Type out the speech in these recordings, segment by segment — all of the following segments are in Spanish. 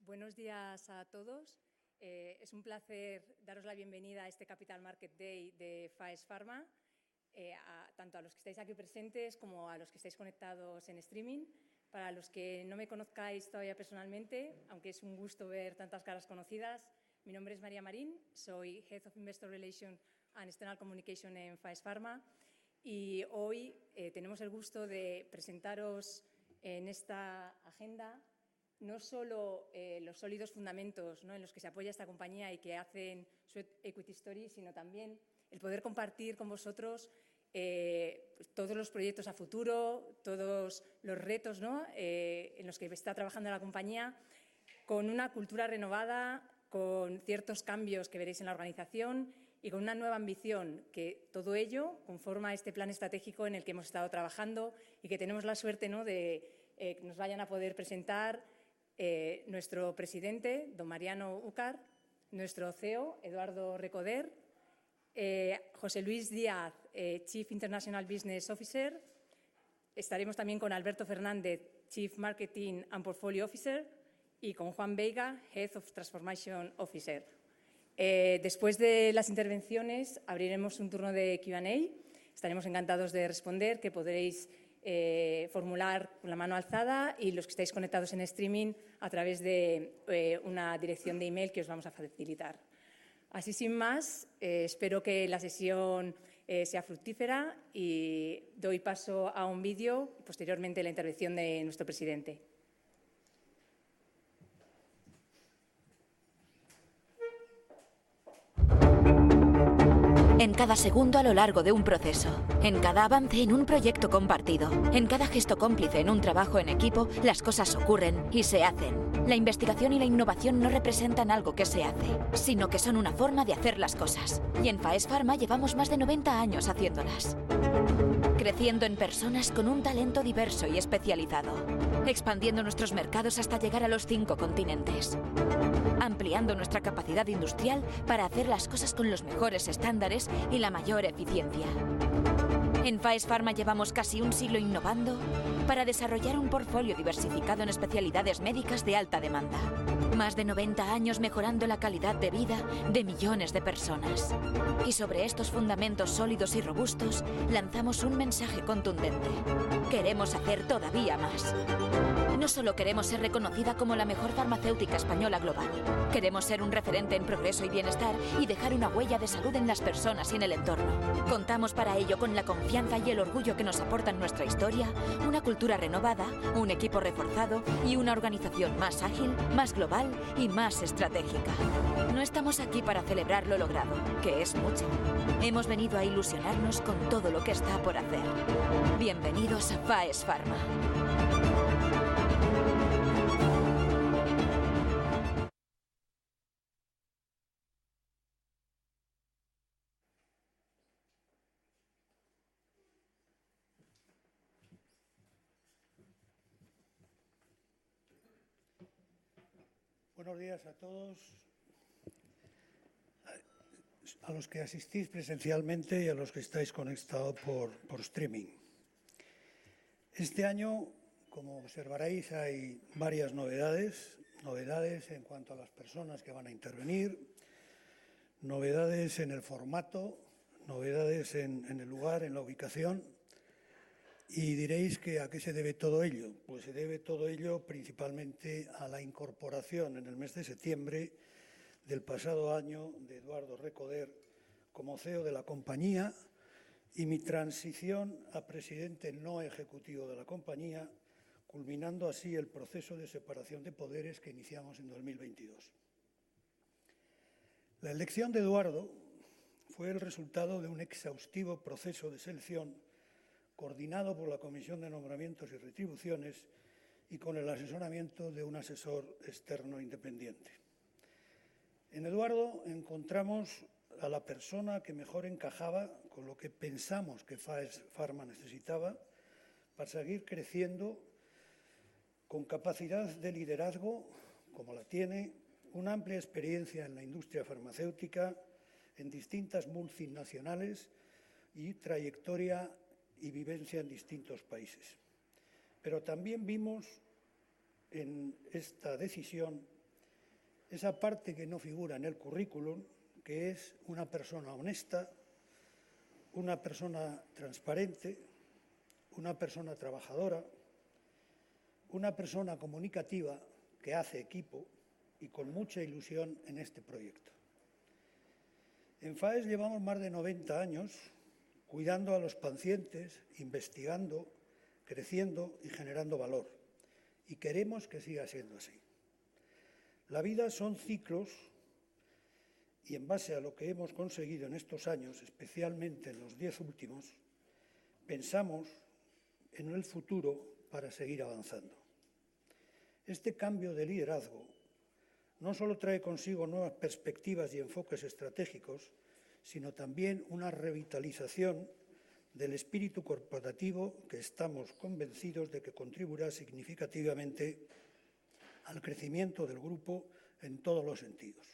Buenos días a todos. Es un placer daros la bienvenida a este Capital Market Day de Faes Farma, tanto a los que estáis aquí presentes como a los que estáis conectados en streaming. Para los que no me conozcáis todavía personalmente, aunque es un gusto ver tantas caras conocidas, mi nombre es María Marín, soy Head of Investor Relations and External Communication en Faes Farma, y hoy tenemos el gusto de presentaros en esta agenda no solo los sólidos fundamentos en los que se apoya esta compañía y que hacen su equity story, sino también el poder compartir con vosotros todos los proyectos a futuro, todos los retos en los que está trabajando la compañía, con una cultura renovada, con ciertos cambios que veréis en la organización y con una nueva ambición, que todo ello conforma este plan estratégico en el que hemos estado trabajando y que tenemos la suerte de que nos vayan a poder presentar nuestro Presidente, don Mariano Ucar; nuestro CEO, Eduardo Recoder; José Luis Díaz, Chief International Business Officer; estaremos también con Alberto Fernández, Chief Marketing and Portfolio Officer; y con Juan Veiga, Head of Transformation Officer. Después de las intervenciones, abriremos un turno de preguntas y respuestas; estaremos encantados de responder, que podréis formular con la mano alzada y los que estáis conectados en streaming a través de una dirección de email que os vamos a facilitar. Así, sin más, espero que la sesión sea fructífera y doy paso a un vídeo y, posteriormente, a la intervención de nuestro presidente. En cada segundo a lo largo de un proceso, en cada avance en un proyecto compartido, en cada gesto cómplice en un trabajo en equipo, las cosas ocurren y se hacen. La investigación y la innovación no representan algo que se hace, sino que son una forma de hacer las cosas, y en Faes Farma llevamos más de 90 años haciéndolas. Creciendo en personas con un talento diverso y especializado, expandiendo nuestros mercados hasta llegar a los cinco continentes, ampliando nuestra capacidad industrial para hacer las cosas con los mejores estándares y la mayor eficiencia. En Faes Farma llevamos casi un siglo innovando para desarrollar un portfolio diversificado en especialidades médicas de alta demanda, más de 90 años mejorando la calidad de vida de millones de personas. Y sobre estos fundamentos sólidos y robustos, lanzamos un mensaje contundente: queremos hacer todavía más. No solo queremos ser reconocida como la mejor farmacéutica española global, queremos ser un referente en progreso y bienestar y dejar una huella de salud en las personas y en el entorno. Contamos para ello con la confianza y el orgullo que nos aportan nuestra historia, una cultura renovada, un equipo reforzado y una organización más ágil, más global y más estratégica. No estamos aquí para celebrar lo logrado, que es mucho; hemos venido a ilusionarnos con todo lo que está por hacer. Bienvenidos a Faes Farma. Buenos días a todos, a los que asistís presencialmente y a los que estáis conectados por streaming. Este año, como observaréis, hay varias novedades: novedades en cuanto a las personas que van a intervenir, novedades en el formato, novedades en el lugar, en la ubicación. Y diréis que ¿a qué se debe todo ello? Pues se debe todo ello principalmente a la incorporación en el mes de septiembre del pasado año de Eduardo Recoder como CEO de la compañía y mi transición a Presidente no ejecutivo de la compañía, culminando así el proceso de separación de poderes que iniciamos en 2022. La elección de Eduardo fue el resultado de un exhaustivo proceso de selección coordinado por la Comisión de Nombramientos y Retribuciones y con el asesoramiento de un asesor externo independiente. En Eduardo encontramos a la persona que mejor encajaba con lo que pensamos que Faes Farma necesitaba para seguir creciendo con capacidad de liderazgo, como la tiene, una amplia experiencia en la industria farmacéutica, en distintas multinacionales y trayectoria y vivencia en distintos países. Pero también vimos en esta decisión esa parte que no figura en el currículum, que es una persona honesta, una persona transparente, una persona trabajadora, una persona comunicativa que hace equipo y con mucha ilusión en este proyecto. En Faes llevamos más de 90 años cuidando a los pacientes, investigando, creciendo y generando valor, y queremos que siga siendo así. La vida son ciclos y, en base a lo que hemos conseguido en estos años, especialmente en los diez últimos, pensamos en el futuro para seguir avanzando. Este cambio de liderazgo no solo trae consigo nuevas perspectivas y enfoques estratégicos, sino también una revitalización del espíritu corporativo que estamos convencidos de que contribuirá significativamente al crecimiento del grupo en todos los sentidos.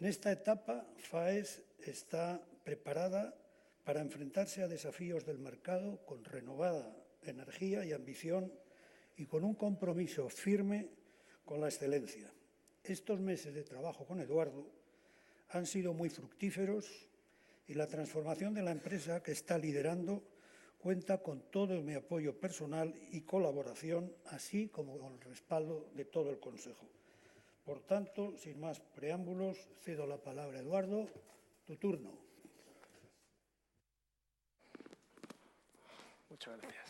En esta etapa, Faes está preparada para enfrentarse a desafíos del mercado con renovada energía y ambición, y con un compromiso firme con la excelencia. Estos meses de trabajo con Eduardo han sido muy fructíferos y la transformación de la empresa que está liderando cuenta con todo mi apoyo personal y colaboración, así como con el respaldo de todo el consejo. Por tanto, sin más preámbulos, cedo la palabra a Eduardo. Tu turno. Muchas gracias.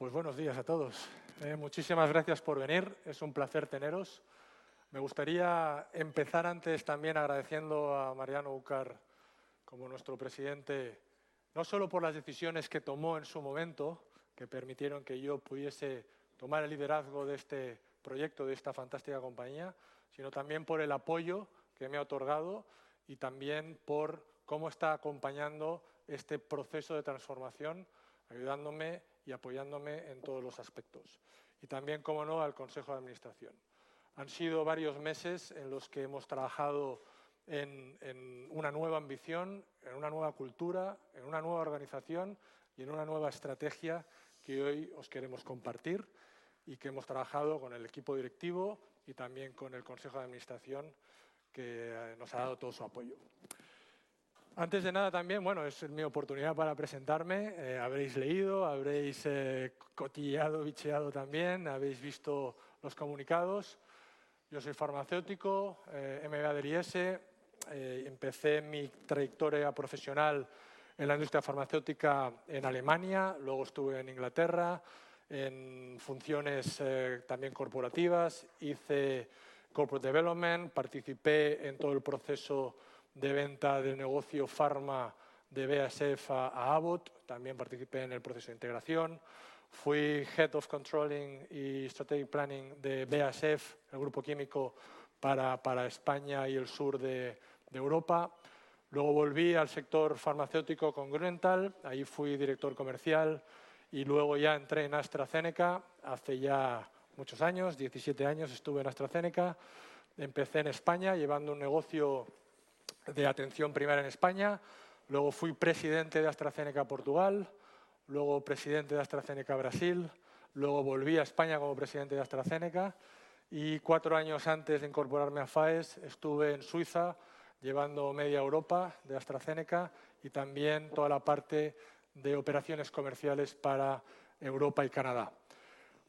Buenos días a todos. Muchísimas gracias por venir, es un placer teneros. Me gustaría empezar antes también agradeciendo a Mariano Ucar como nuestro Presidente, no solo por las decisiones que tomó en su momento, que permitieron que yo pudiese tomar el liderazgo de este proyecto, de esta fantástica compañía, sino también por el apoyo que me ha otorgado y también por cómo está acompañando este proceso de transformación, ayudándome y apoyándome en todos los aspectos. Y también, cómo no, al Consejo de Administración. Han sido varios meses en los que hemos trabajado en una nueva ambición, en una nueva cultura, en una nueva organización y en una nueva estrategia que hoy os queremos compartir y que hemos trabajado con el equipo directivo y también con el Consejo de Administración que nos ha dado todo su apoyo. Antes de nada, también es mi oportunidad para presentarme. Habréis leído, habréis cotilleado, bicheado también, habréis visto los comunicados. Yo soy farmacéutico, M.B. Aderíes. Empecé mi trayectoria profesional en la industria farmacéutica en Alemania, luego estuve en Inglaterra, en funciones también corporativas, hice Corporate Development, participé en todo el proceso de venta del negocio Farma de BASF a Abbott, también participé en el proceso de integración, fui Head of Controlling y Strategic Planning de BASF, el grupo químico para España y el sur de Europa. Luego volví al sector farmacéutico con Green Rental, ahí fui Director Comercial y luego ya entré en AstraZeneca hace ya muchos años, 17 años estuve en AstraZeneca. Empecé en España llevando un negocio de atención primaria en España, luego fui presidente de AstraZeneca Portugal, luego presidente de AstraZeneca Brasil, luego volví a España como presidente de AstraZeneca y cuatro años antes de incorporarme a Faes estuve en Suiza llevando media Europa de AstraZeneca y también toda la parte de operaciones comerciales para Europa y Canadá.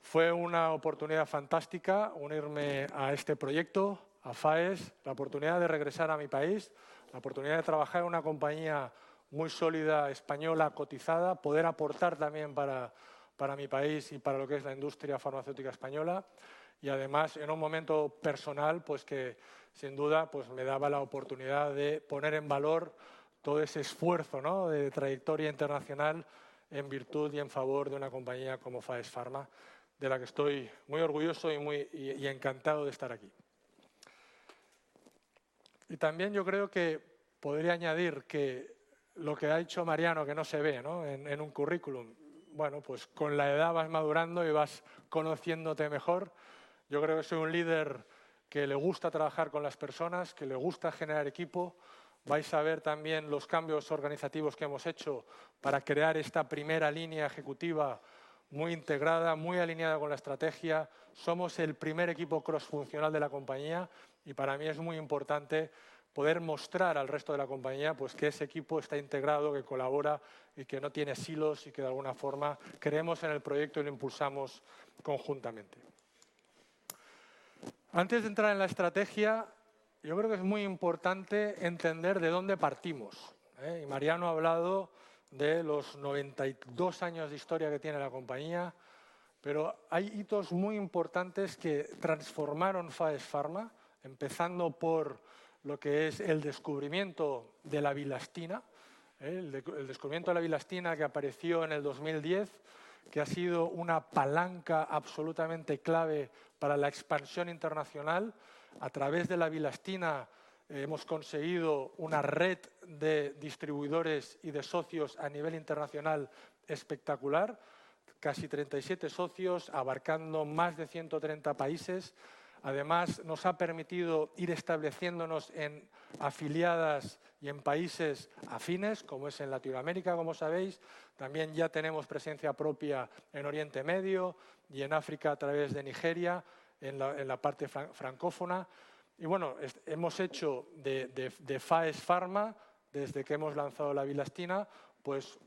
Fue una oportunidad fantástica unirme a este proyecto, a Faes, la oportunidad de regresar a mi país, la oportunidad de trabajar en una compañía muy sólida española cotizada, poder aportar también para mi país y para lo que es la industria farmacéutica española y, además, en un momento personal que, sin duda, me daba la oportunidad de poner en valor todo ese esfuerzo de trayectoria internacional en virtud y en favor de una compañía como Faes Farma, de la que estoy muy orgulloso y encantado de estar aquí. Y también yo creo que podría añadir que lo que ha dicho Mariano, que no se ve en un currículum, con la edad vas madurando y vas conociéndote mejor. Yo creo que soy un líder que le gusta trabajar con las personas, que le gusta generar equipo. Vais a ver también los cambios organizativos que hemos hecho para crear esta primera línea ejecutiva muy integrada, muy alineada con la estrategia. Somos el primer equipo crossfuncional de la compañía y para mí es muy importante poder mostrar al resto de la compañía que ese equipo está integrado, que colabora y que no tiene silos y que, de alguna forma, creemos en el proyecto y lo impulsamos conjuntamente. Antes de entrar en la estrategia, yo creo que es muy importante entender de dónde partimos. Y Mariano ha hablado de los 92 años de historia que tiene la compañía, pero hay hitos muy importantes que transformaron Faes Farma, empezando por lo que es el descubrimiento de la bilastina. El descubrimiento de la bilastina que apareció en 2010 ha sido una palanca absolutamente clave para la expansión internacional. A través de la bilastina hemos conseguido una red de distribuidores y de socios a nivel internacional espectacular, casi 37 socios abarcando más de 130 países. Además, nos ha permitido ir estableciéndonos en afiliadas y en países afines, como es en Latinoamérica, como sabéis. También ya tenemos presencia propia en Oriente Medio y en África a través de Nigeria, en la parte francófona. Y hemos hecho de Faes Farma, desde que hemos lanzado la bilastina,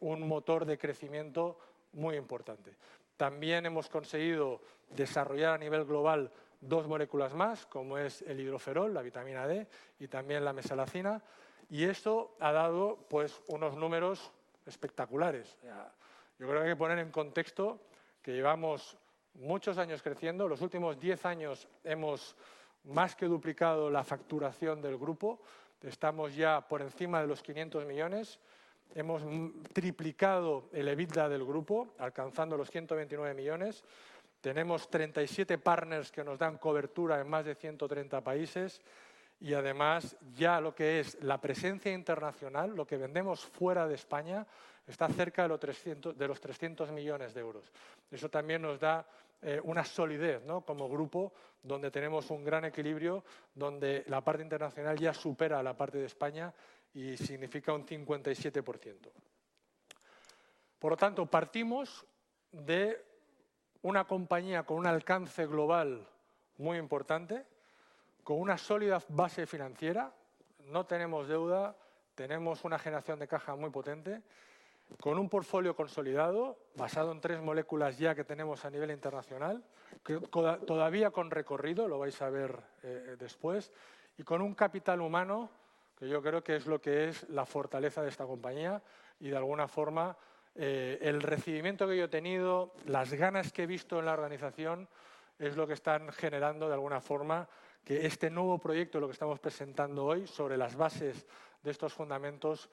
un motor de crecimiento muy importante. También hemos conseguido desarrollar a nivel global dos moléculas más, como es el hidroferol, la vitamina D y también la mesalazina, y eso ha dado unos números espectaculares. Yo creo que hay que poner en contexto que llevamos muchos años creciendo. Los últimos diez años hemos más que duplicado la facturación del grupo, estamos ya por encima de los €500 millones, hemos triplicado el EBITDA del grupo, alcanzando los €129 millones, tenemos 37 partners que nos dan cobertura en más de 130 países y, además, ya lo que es la presencia internacional, lo que vendemos fuera de España, está cerca de los €300 millones. Eso también nos da una solidez como grupo, donde tenemos un gran equilibrio, donde la parte internacional ya supera la parte de España y significa un 57%. Por lo tanto, partimos de una compañía con un alcance global muy importante, con una sólida base financiera, no tenemos deuda, tenemos una generación de caja muy potente, con un portfolio consolidado basado en tres moléculas ya que tenemos a nivel internacional, todavía con recorrido, lo vais a ver después, y con un capital humano que yo creo que es lo que es la fortaleza de esta compañía. Y, de alguna forma, el recibimiento que yo he tenido, las ganas que he visto en la organización, es lo que están generando, de alguna forma, que este nuevo proyecto, lo que estamos presentando hoy, sobre las bases de estos fundamentos,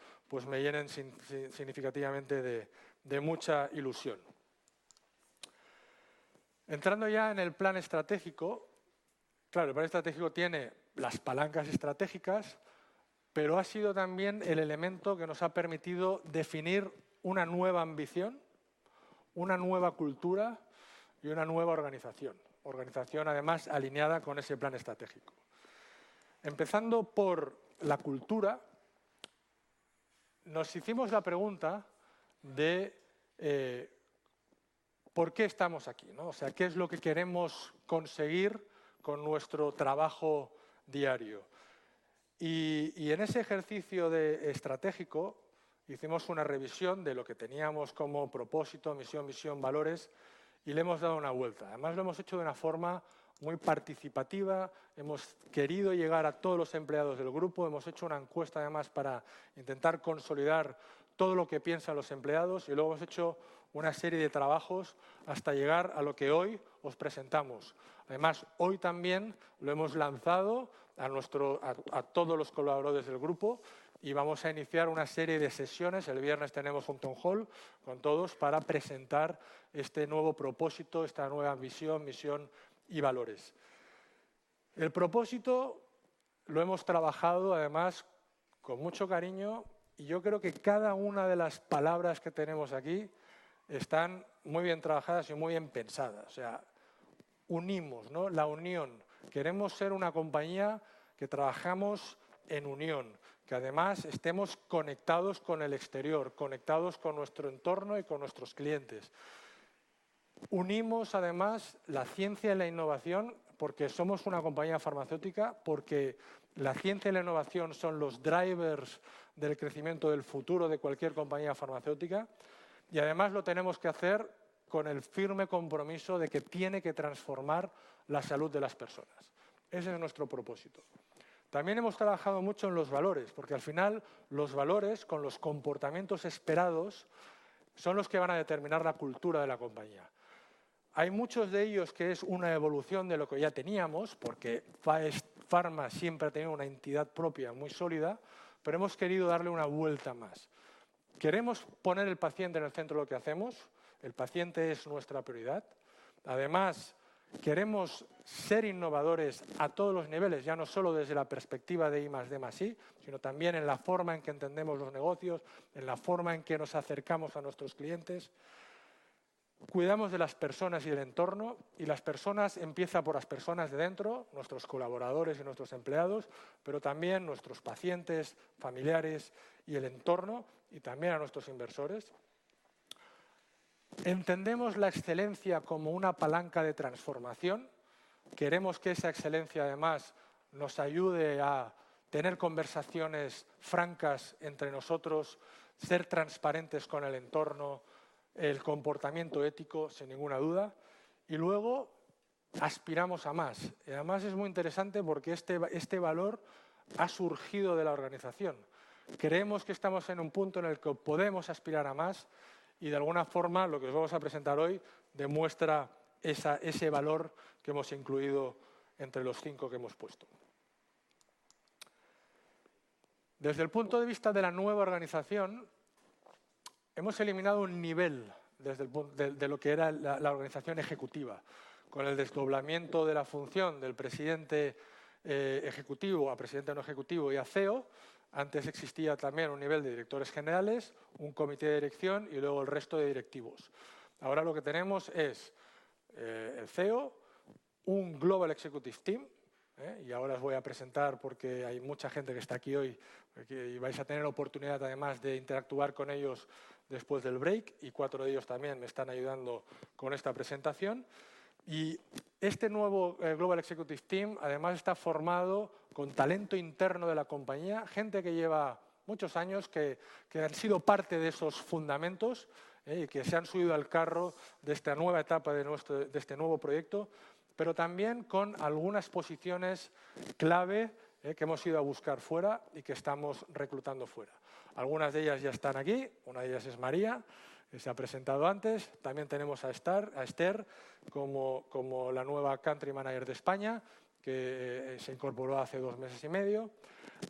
me llenen significativamente de mucha ilusión. Entrando ya en el plan estratégico, claro, el plan estratégico tiene las palancas estratégicas, pero ha sido también el elemento que nos ha permitido definir una nueva ambición, una nueva cultura y una nueva organización, organización, además, alineada con ese plan estratégico. Empezando por la cultura, nos hicimos la pregunta de por qué estamos aquí, o sea, qué es lo que queremos conseguir con nuestro trabajo diario. En ese ejercicio estratégico hicimos una revisión de lo que teníamos como propósito, misión, visión, valores, y le hemos dado una vuelta. Además, lo hemos hecho de una forma muy participativa, hemos querido llegar a todos los empleados del grupo, hemos hecho una encuesta, además, para intentar consolidar todo lo que piensan los empleados, y luego hemos hecho una serie de trabajos hasta llegar a lo que hoy os presentamos. Además, hoy también lo hemos lanzado a todos los colaboradores del grupo y vamos a iniciar una serie de sesiones. El viernes tenemos un town hall con todos para presentar este nuevo propósito, esta nueva ambición, misión y valores. El propósito lo hemos trabajado, además, con mucho cariño, y yo creo que cada una de las palabras que tenemos aquí están muy bien trabajadas y muy bien pensadas. Unimos, la unión. Queremos ser una compañía que trabajamos en unión, que además estemos conectados con el exterior, conectados con nuestro entorno y con nuestros clientes. Unimos, además, la ciencia y la innovación, porque somos una compañía farmacéutica, porque la ciencia y la innovación son los drivers del crecimiento del futuro de cualquier compañía farmacéutica, y además lo tenemos que hacer con el firme compromiso de que tiene que transformar la salud de las personas. Ese es nuestro propósito. También hemos trabajado mucho en los valores, porque al final los valores, con los comportamientos esperados, son los que van a determinar la cultura de la compañía. Hay muchos de ellos que es una evolución de lo que ya teníamos, porque Faes Farma siempre ha tenido una entidad propia muy sólida, pero hemos querido darle una vuelta más. Queremos poner el paciente en el centro de lo que hacemos, el paciente es nuestra prioridad. Además, queremos ser innovadores a todos los niveles, ya no solo desde la perspectiva de I+D+I, sino también en la forma en que entendemos los negocios, en la forma en que nos acercamos a nuestros clientes. Cuidamos de las personas y del entorno, y las personas empiezan por las personas de dentro, nuestros colaboradores y nuestros empleados, pero también nuestros pacientes, familiares y el entorno, y también a nuestros inversores. Entendemos la excelencia como una palanca de transformación. Queremos que esa excelencia, además, nos ayude a tener conversaciones francas entre nosotros, ser transparentes con el entorno, el comportamiento ético, sin ninguna duda. Y luego aspiramos a más. Además es muy interesante porque este valor ha surgido de la organización. Creemos que estamos en un punto en el que podemos aspirar a más y, de alguna forma, lo que os vamos a presentar hoy demuestra ese valor que hemos incluido entre los cinco que hemos puesto. Desde el punto de vista de la nueva organización, hemos eliminado un nivel desde lo que era la organización ejecutiva, con el desdoblamiento de la función del Presidente Ejecutivo a Presidente no Ejecutivo y a CEO. Antes existía también un nivel de Directores Generales, un comité de dirección y luego el resto de directivos. Ahora lo que tenemos es el CEO, un Global Executive Team, y ahora os voy a presentar porque hay mucha gente que está aquí hoy, y vais a tener oportunidad, además, de interactuar con ellos después del break, y cuatro de ellos también me están ayudando con esta presentación. Este nuevo Global Executive Team, además, está formado con talento interno de la compañía, gente que lleva muchos años, que han sido parte de esos fundamentos y que se han subido al carro de esta nueva etapa de este nuevo proyecto, pero también con algunas posiciones clave que hemos ido a buscar fuera y que estamos reclutando fuera. Algunas de ellas ya están aquí, una de ellas es María, que se ha presentado antes. También tenemos a Esther como la nueva Country Manager de España, que se incorporó hace dos meses y medio.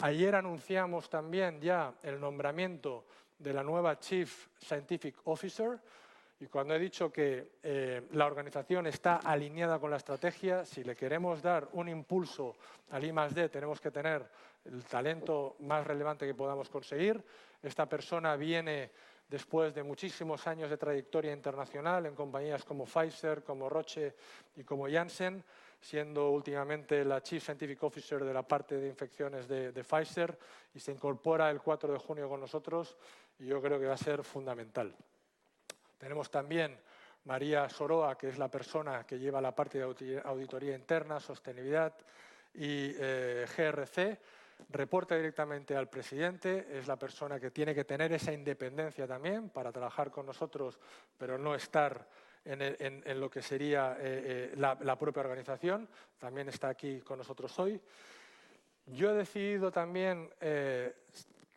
Ayer anunciamos también ya el nombramiento de la nueva Chief Scientific Officer, y cuando he dicho que la organización está alineada con la estrategia, si le queremos dar un impulso al I+D, tenemos que tener el talento más relevante que podamos conseguir. Esta persona viene después de muchísimos años de trayectoria internacional en compañías como Pfizer, como Roche y como Janssen, siendo últimamente la Chief Scientific Officer de la parte de infecciones de Pfizer, y se incorpora el 4 de junio con nosotros, y yo creo que va a ser fundamental. Tenemos también María Soroa, que es la persona que lleva la parte de auditoría interna, sostenibilidad y GRC, reporta directamente al Presidente, es la persona que tiene que tener esa independencia también para trabajar con nosotros, pero no estar en lo que sería la propia organización, también está aquí con nosotros hoy. Yo he decidido también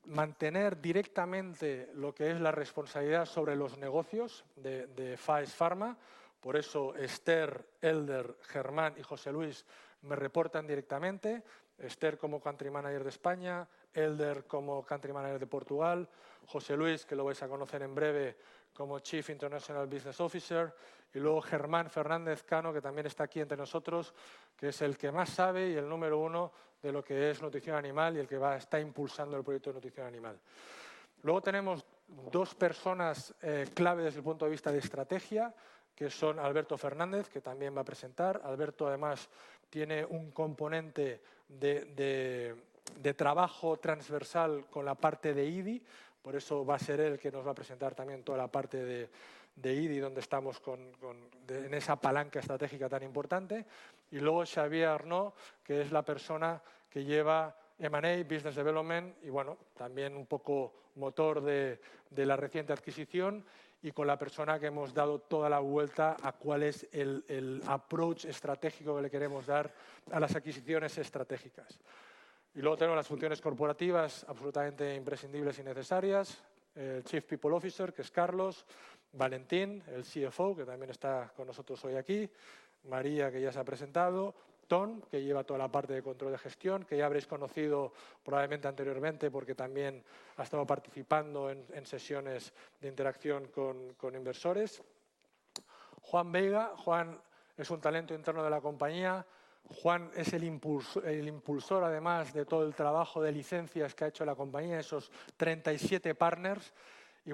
mantener directamente lo que es la responsabilidad sobre los negocios de Faes Farma, por eso Esther, Elder, Germán y José Luis me reportan directamente. Esther como Country Manager de España, Elder como Country Manager de Portugal, José Luis, que lo vais a conocer en breve, como Chief International Business Officer, y luego Germán Fernández Cano, que también está aquí entre nosotros, que es el que más sabe y el número uno de lo que es nutrición animal y el que está impulsando el proyecto de nutrición animal. Luego tenemos dos personas clave desde el punto de vista de estrategia, que son Alberto Fernández, que también va a presentar. Alberto, además, tiene un componente de trabajo transversal con la parte de I+D+i, por eso va a ser él quien nos va a presentar también toda la parte de I+D+i, donde estamos en esa palanca estratégica tan importante. Y luego Xavier Arnault, que es la persona que lleva M&A, Business Development, y también un poco motor de la reciente adquisición, y con la persona que hemos dado toda la vuelta a cuál es el approach estratégico que le queremos dar a las adquisiciones estratégicas. Y luego tenemos las funciones corporativas absolutamente imprescindibles y necesarias: el Chief People Officer, que es Carlos; Valentín, el CFO, que también está con nosotros hoy aquí; María, que ya se ha presentado; Tom, que lleva toda la parte de control de gestión, que ya habréis conocido probablemente anteriormente porque también ha estado participando en sesiones de interacción con inversores; Juan Vega. Juan es un talento interno de la compañía; Juan es el impulsor, además, de todo el trabajo de licencias que ha hecho la compañía, esos 37 partners. Y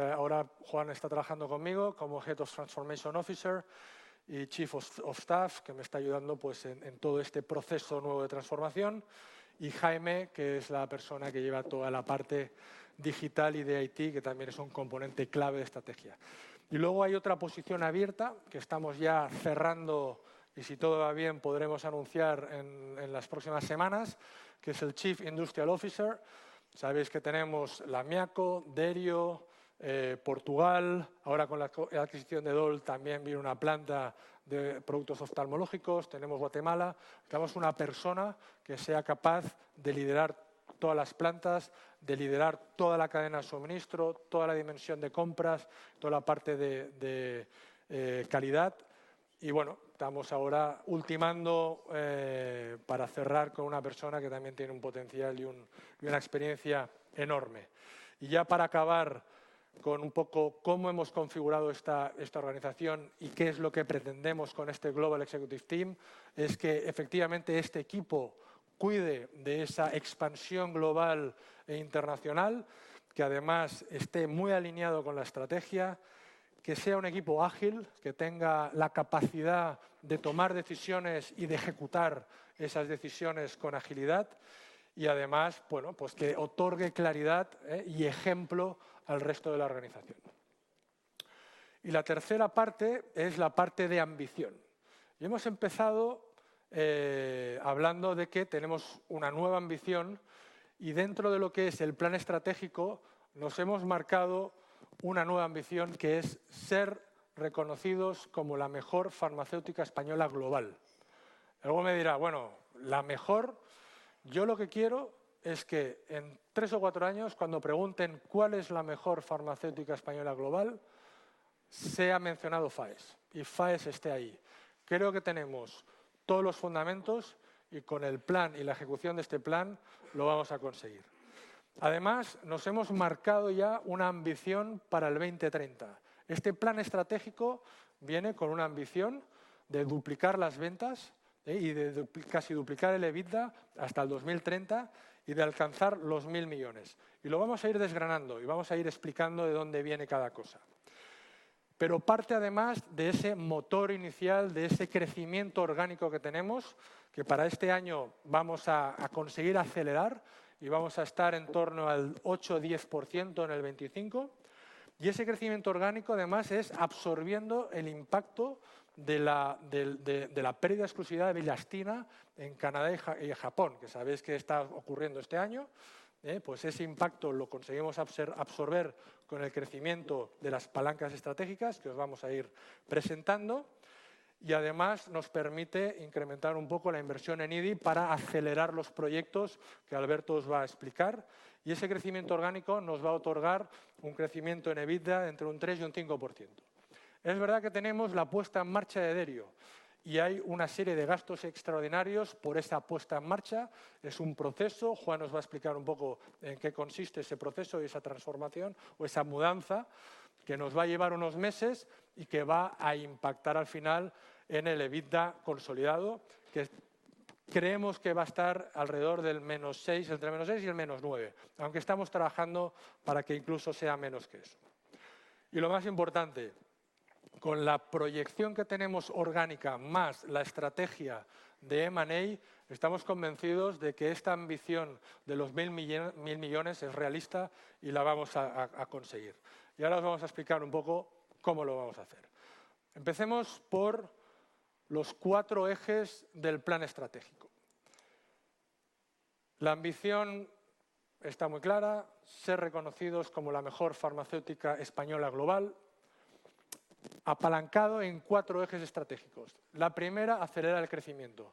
ahora Juan está trabajando conmigo como Head of Transformation Officer y Chief of Staff, que me está ayudando en todo este proceso nuevo de transformación; y Jaime, que es la persona que lleva toda la parte digital y de IT, que también es un componente clave de estrategia. Y luego hay otra posición abierta, que estamos ya cerrando, y si todo va bien podremos anunciar en las próximas semanas, que es el Chief Industrial Officer. Sabéis que tenemos la Miaco, Derio, Portugal, ahora con la adquisición de DOL también viene una planta de productos oftalmológicos; tenemos Guatemala. Necesitamos una persona que sea capaz de liderar todas las plantas, de liderar toda la cadena de suministro, toda la dimensión de compras, toda la parte de calidad. Y estamos ahora ultimando para cerrar con una persona que también tiene un potencial y una experiencia enorme. Y ya para acabar con un poco cómo hemos configurado esta organización y qué es lo que pretendemos con este Global Executive Team, es que efectivamente este equipo cuide de esa expansión global e internacional, que además esté muy alineado con la estrategia, que sea un equipo ágil, que tenga la capacidad de tomar decisiones y de ejecutar esas decisiones con agilidad, y además que otorgue claridad y ejemplo al resto de la organización. Y la tercera parte es la parte de ambición. Hemos empezado hablando de que tenemos una nueva ambición, y dentro de lo que es el plan estratégico nos hemos marcado una nueva ambición, que es ser reconocidos como la mejor farmacéutica española global. Alguno me dirá: "Bueno, ¿la mejor?". Yo lo que quiero es que en tres o cuatro años, cuando pregunten cuál es la mejor farmacéutica española global, sea mencionado Faes y Faes esté ahí. Creo que tenemos todos los fundamentos y con el plan y la ejecución de este plan lo vamos a conseguir. Además, nos hemos marcado ya una ambición para el 2030. Este plan estratégico viene con una ambición de duplicar las ventas y de casi duplicar el EBITDA hasta el 2030 y de alcanzar los €1.000 millones. Y lo vamos a ir desgranando y vamos a ir explicando de dónde viene cada cosa. Pero parte, además, de ese motor inicial, de ese crecimiento orgánico que tenemos, que para este año vamos a conseguir acelerar y vamos a estar en torno al 8%, 10% en el 2025. Y ese crecimiento orgánico, además, es absorbiendo el impacto de la pérdida de exclusividad de bilastina en Canadá y Japón, que sabéis que está ocurriendo este año. Ese impacto lo conseguimos absorber con el crecimiento de las palancas estratégicas que os vamos a ir presentando, y además nos permite incrementar un poco la inversión en I+D para acelerar los proyectos que Alberto os va a explicar. Y ese crecimiento orgánico nos va a otorgar un crecimiento en EBITDA entre un 3% y un 5%. Es verdad que tenemos la puesta en marcha de Derio y hay una serie de gastos extraordinarios por esa puesta en marcha. Es un proceso, Juan os va a explicar un poco en qué consiste ese proceso y esa transformación o esa mudanza, que nos va a llevar unos meses y que va a impactar al final en el EBITDA consolidado, que creemos que va a estar alrededor del -6%, entre el -6% y el -9%, aunque estamos trabajando para que incluso sea menos que eso. Lo más importante, con la proyección que tenemos orgánica más la estrategia de M&A, estamos convencidos de que esta ambición de los €1.000 millones es realista y la vamos a conseguir. Ahora os vamos a explicar un poco cómo lo vamos a hacer. Empecemos por los cuatro ejes del plan estratégico. La ambición está muy clara: ser reconocidos como la mejor farmacéutica española global, apalancado en cuatro ejes estratégicos. La primera: acelerar el crecimiento.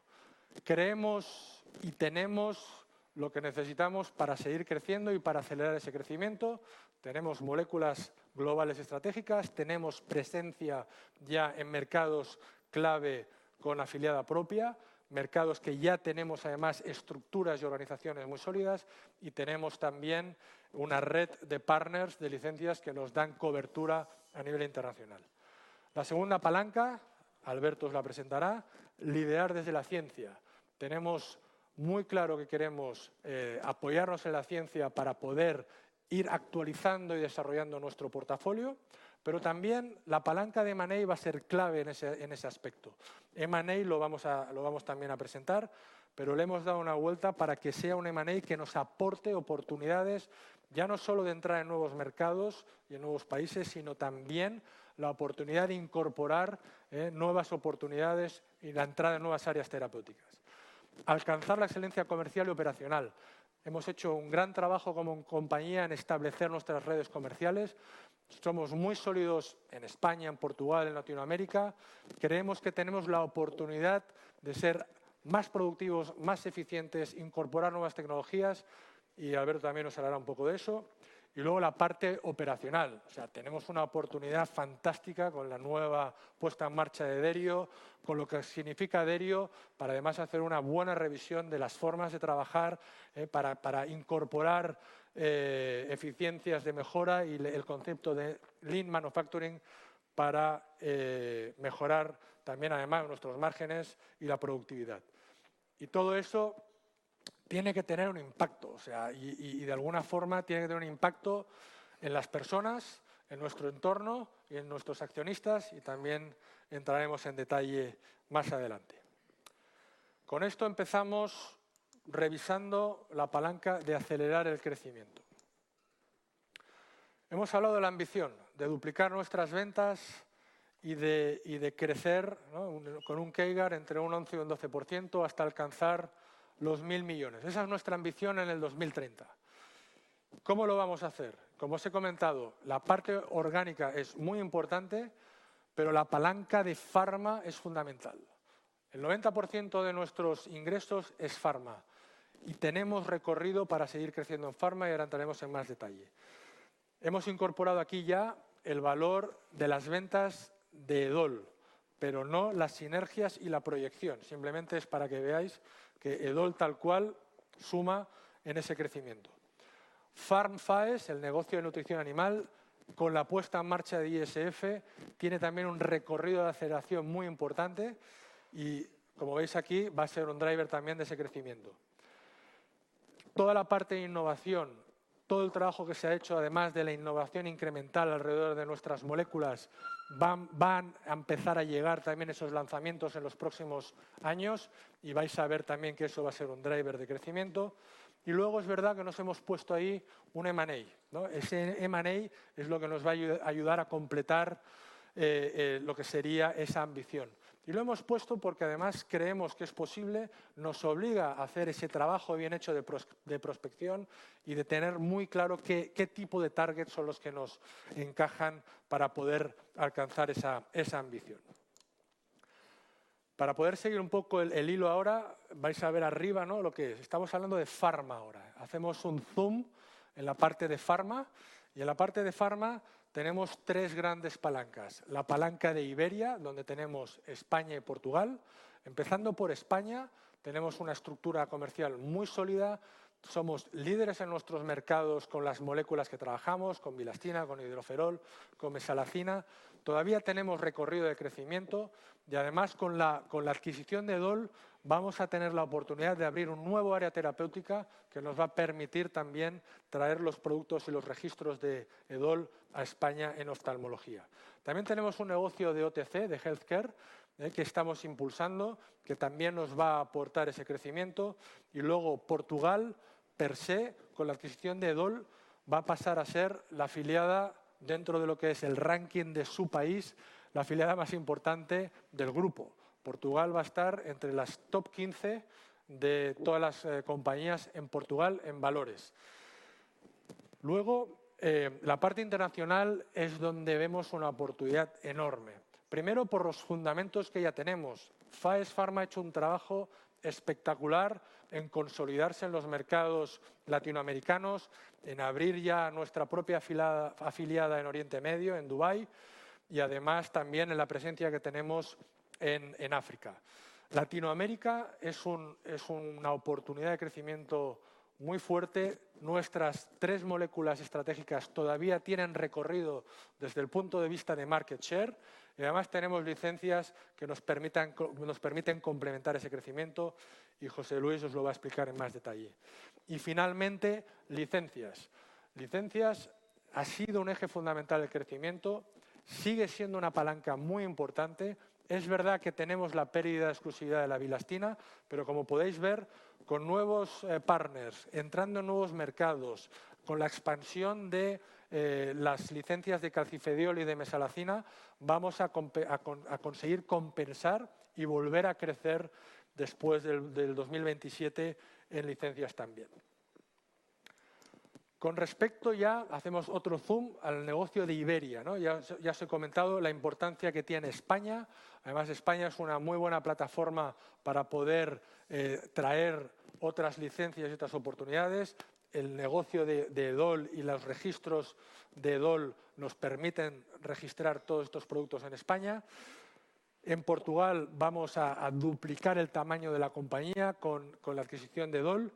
Creemos y tenemos lo que necesitamos para seguir creciendo y para acelerar ese crecimiento. Tenemos moléculas globales estratégicas, tenemos presencia ya en mercados clave con afiliada propia, mercados que ya tenemos, además, estructuras y organizaciones muy sólidas, y tenemos también una red de partners de licencias que nos dan cobertura a nivel internacional. La segunda palanca, Alberto os la presentará, liderar desde la ciencia. Tenemos muy claro que queremos apoyarnos en la ciencia para poder ir actualizando y desarrollando nuestro portafolio, pero también la palanca de M&A va a ser clave en ese aspecto. M&A lo vamos también a presentar, pero le hemos dado una vuelta para que sea un M&A que nos aporte oportunidades, ya no solo de entrar en nuevos mercados y en nuevos países, sino también la oportunidad de incorporar nuevas oportunidades y la entrada en nuevas áreas terapéuticas. Alcanzar la excelencia comercial y operacional. Hemos hecho un gran trabajo como compañía en establecer nuestras redes comerciales. Somos muy sólidos en España, en Portugal, en Latinoamérica. Creemos que tenemos la oportunidad de ser más productivos, más eficientes, incorporar nuevas tecnologías, y Alberto también os hablará un poco de eso. Y luego la parte operacional. Tenemos una oportunidad fantástica con la nueva puesta en marcha de Derio, con lo que significa Derio, para además hacer una buena revisión de las formas de trabajar, para incorporar eficiencias de mejora y el concepto de Lean Manufacturing para mejorar también, además, nuestros márgenes y la productividad. Y todo eso tiene que tener un impacto, y de alguna forma tiene que tener un impacto en las personas, en nuestro entorno y en nuestros accionistas, y también entraremos en detalle más adelante. Con esto empezamos revisando la palanca de acelerar el crecimiento. Hemos hablado de la ambición, de duplicar nuestras ventas y de crecer con un CAGR entre un 11% y un 12% hasta alcanzar los €1.000 millones. Esa es nuestra ambición en el 2030. ¿Cómo lo vamos a hacer? Como os he comentado, la parte orgánica es muy importante, pero la palanca de farma es fundamental. El 90% de nuestros ingresos es farma, y tenemos recorrido para seguir creciendo en farma y ahora entraremos en más detalle. Hemos incorporado aquí ya el valor de las ventas de EDOL, pero no las sinergias y la proyección. Simplemente es para que veáis que EDOL tal cual suma en ese crecimiento. Farm Faes, el negocio de nutrición animal, con la puesta en marcha de ISF, tiene también un recorrido de aceleración muy importante, y como veis aquí, va a ser un driver también de ese crecimiento. Toda la parte de innovación, todo el trabajo que se ha hecho, además de la innovación incremental alrededor de nuestras moléculas, van a empezar a llegar también esos lanzamientos en los próximos años, y vais a ver también que eso va a ser un driver de crecimiento. Luego es verdad que nos hemos puesto ahí un M&A. Ese M&A es lo que nos va a ayudar a completar lo que sería esa ambición. Lo hemos puesto porque además creemos que es posible, nos obliga a hacer ese trabajo bien hecho de prospección y de tener muy claro qué tipo de targets son los que nos encajan para poder alcanzar esa ambición. Para poder seguir un poco el hilo ahora, vais a ver arriba lo que es. Estamos hablando de farma ahora. Hacemos un zoom en la parte de farma, y en la parte de farma tenemos tres grandes palancas: la palanca de Iberia, donde tenemos España y Portugal. Empezando por España, tenemos una estructura comercial muy sólida, somos líderes en nuestros mercados con las moléculas que trabajamos, con bilastina, con hidroferol, con mesalazina. Todavía tenemos recorrido de crecimiento, y además con la adquisición de EDOL vamos a tener la oportunidad de abrir un nuevo área terapéutica que nos va a permitir también traer los productos y los registros de EDOL a España en oftalmología. También tenemos un negocio de OTC, de Health Care, que estamos impulsando, que también nos va a aportar ese crecimiento. Y luego Portugal, per se, con la adquisición de EDOL va a pasar a ser la afiliada dentro de lo que es el ranking de su país, la afiliada más importante del grupo. Portugal va a estar entre las top 15 de todas las compañías en Portugal en valores. Luego, la parte internacional es donde vemos una oportunidad enorme. Primero, por los fundamentos que ya tenemos. Faes Farma ha hecho un trabajo espectacular en consolidarse en los mercados latinoamericanos, en abrir ya nuestra propia afiliada en Oriente Medio, en Dubái, y además también en la presencia que tenemos en África. Latinoamérica es una oportunidad de crecimiento muy fuerte. Nuestras tres moléculas estratégicas todavía tienen recorrido desde el punto de vista de market share, y además tenemos licencias que nos permiten complementar ese crecimiento, y José Luis os lo va a explicar en más detalle. Y finalmente, licencias. Licencias ha sido un eje fundamental de crecimiento, sigue siendo una palanca muy importante. Es verdad que tenemos la pérdida de exclusividad de la bilastina, pero como podéis ver, con nuevos partners, entrando en nuevos mercados, con la expansión de las licencias de calcifediol y de mesalazina, vamos a conseguir compensar y volver a crecer después del 2027 en licencias también. Con respecto ya, hacemos otro zoom al negocio de Iberia. Ya os he comentado la importancia que tiene España. Además, España es una muy buena plataforma para poder traer otras licencias y otras oportunidades. El negocio de EDOL y los registros de EDOL nos permiten registrar todos estos productos en España. En Portugal vamos a duplicar el tamaño de la compañía con la adquisición de EDOL,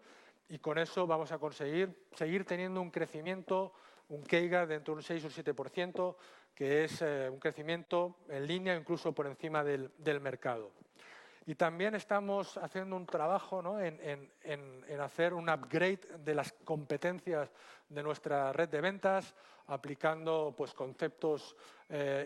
y con eso vamos a conseguir seguir teniendo un crecimiento, un CAGR dentro de un 6% o 7%, que es un crecimiento en línea, incluso por encima del mercado. Y también estamos haciendo un trabajo en hacer un upgrade de las competencias de nuestra red de ventas, aplicando conceptos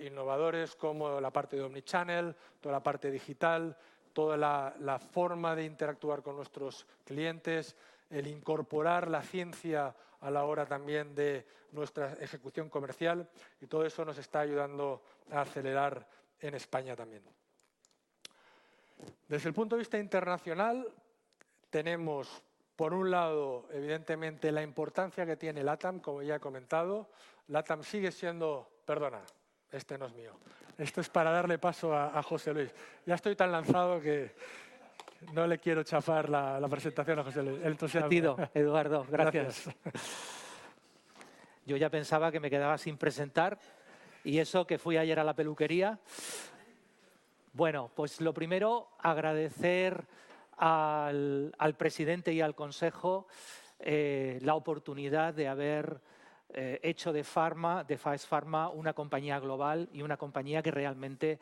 innovadores como la parte de omnichannel, toda la parte digital, toda la forma de interactuar con nuestros clientes, el incorporar la ciencia a la hora también de nuestra ejecución comercial, y todo eso nos está ayudando a acelerar en España también. Desde el punto de vista internacional, tenemos, por un lado, evidentemente, la importancia que tiene LATAM, como ya he comentado. LATAM sigue siendo... Perdona, este no es mío. Esto es para darle paso a José Luis. Ya estoy tan lanzado que no le quiero chafar la presentación a José Luis. Entonces... Atido, Eduardo, gracias. Gracias. Yo ya pensaba que me quedaba sin presentar, y eso que fui ayer a la peluquería. Bueno, pues lo primero, agradecer al presidente y al consejo la oportunidad de haber hecho de Faes Farma una compañía global y una compañía que realmente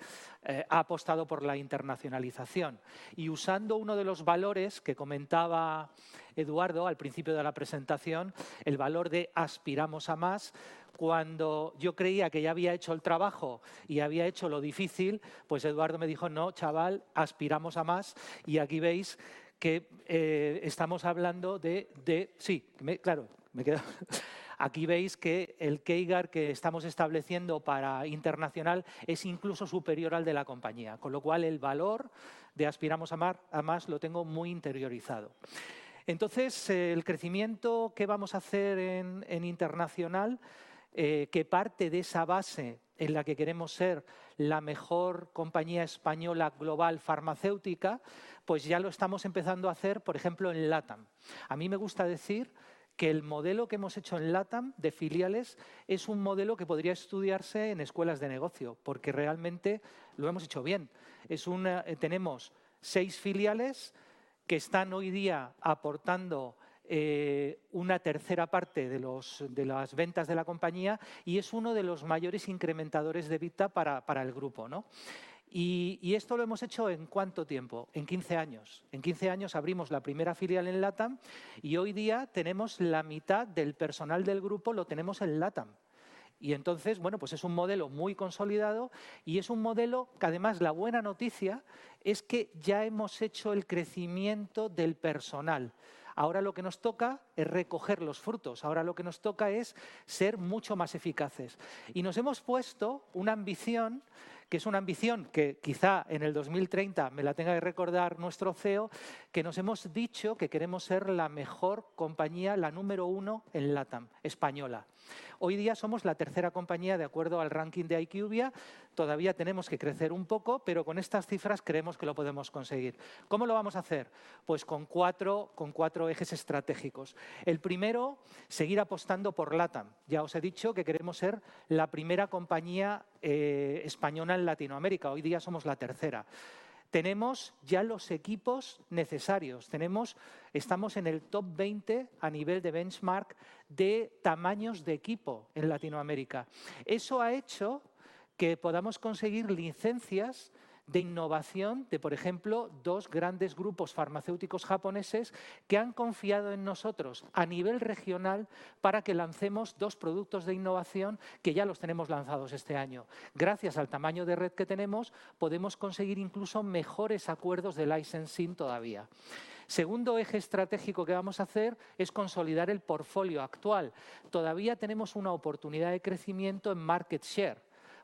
ha apostado por la internacionalización. Y usando uno de los valores que comentaba Eduardo al principio de la presentación, el valor de "Aspiramos a más", cuando yo creía que ya había hecho el trabajo y había hecho lo difícil, pues Eduardo me dijo: "No, chaval, aspiramos a más". Y aquí veis que estamos hablando de... Sí, claro, me he quedado... Aquí veis que el CAGR que estamos estableciendo para internacional es incluso superior al de la compañía, con lo cual el valor de "Aspiramos a más" lo tengo muy interiorizado. Entonces, el crecimiento, ¿qué vamos a hacer en internacional? Qué parte de esa base en la que queremos ser la mejor compañía española global farmacéutica, pues ya lo estamos empezando a hacer, por ejemplo, en LATAM. A mí me gusta decir que el modelo que hemos hecho en LATAM de filiales es un modelo que podría estudiarse en escuelas de negocio, porque realmente lo hemos hecho bien. Tenemos seis filiales que están hoy día aportando una tercera parte de las ventas de la compañía, y es uno de los mayores incrementadores de EBITDA para el grupo. ¿Y esto lo hemos hecho en cuánto tiempo? En 15 años. En 15 años abrimos la primera filial en LATAM, y hoy día tenemos la mitad del personal del grupo, lo tenemos en LATAM. Entonces, es un modelo muy consolidado, y es un modelo que además la buena noticia es que ya hemos hecho el crecimiento del personal. Ahora lo que nos toca es recoger los frutos, ahora lo que nos toca es ser mucho más eficaces. Nos hemos puesto una ambición, que es una ambición que quizá en 2030 me la tenga que recordar nuestro CEO, que nos hemos dicho que queremos ser la mejor compañía, la número uno en LATAM, española. Hoy día somos la tercera compañía de acuerdo al ranking de IQVIA, todavía tenemos que crecer un poco, pero con estas cifras creemos que lo podemos conseguir. ¿Cómo lo vamos a hacer? Pues con cuatro ejes estratégicos. El primero, seguir apostando por LATAM. Ya les he dicho que queremos ser la primera compañía española en Latinoamérica, hoy día somos la tercera. Tenemos ya los equipos necesarios, estamos en el top 20 a nivel de benchmark de tamaños de equipo en Latinoamérica. Eso ha hecho que podamos conseguir licencias de innovación de, por ejemplo, dos grandes grupos farmacéuticos japoneses que han confiado en nosotros a nivel regional para que lancemos dos productos de innovación que ya los tenemos lanzados este año. Gracias al tamaño de red que tenemos, podemos conseguir incluso mejores acuerdos de licensing todavía. Segundo eje estratégico que vamos a hacer es consolidar el portfolio actual. Todavía tenemos una oportunidad de crecimiento en market share.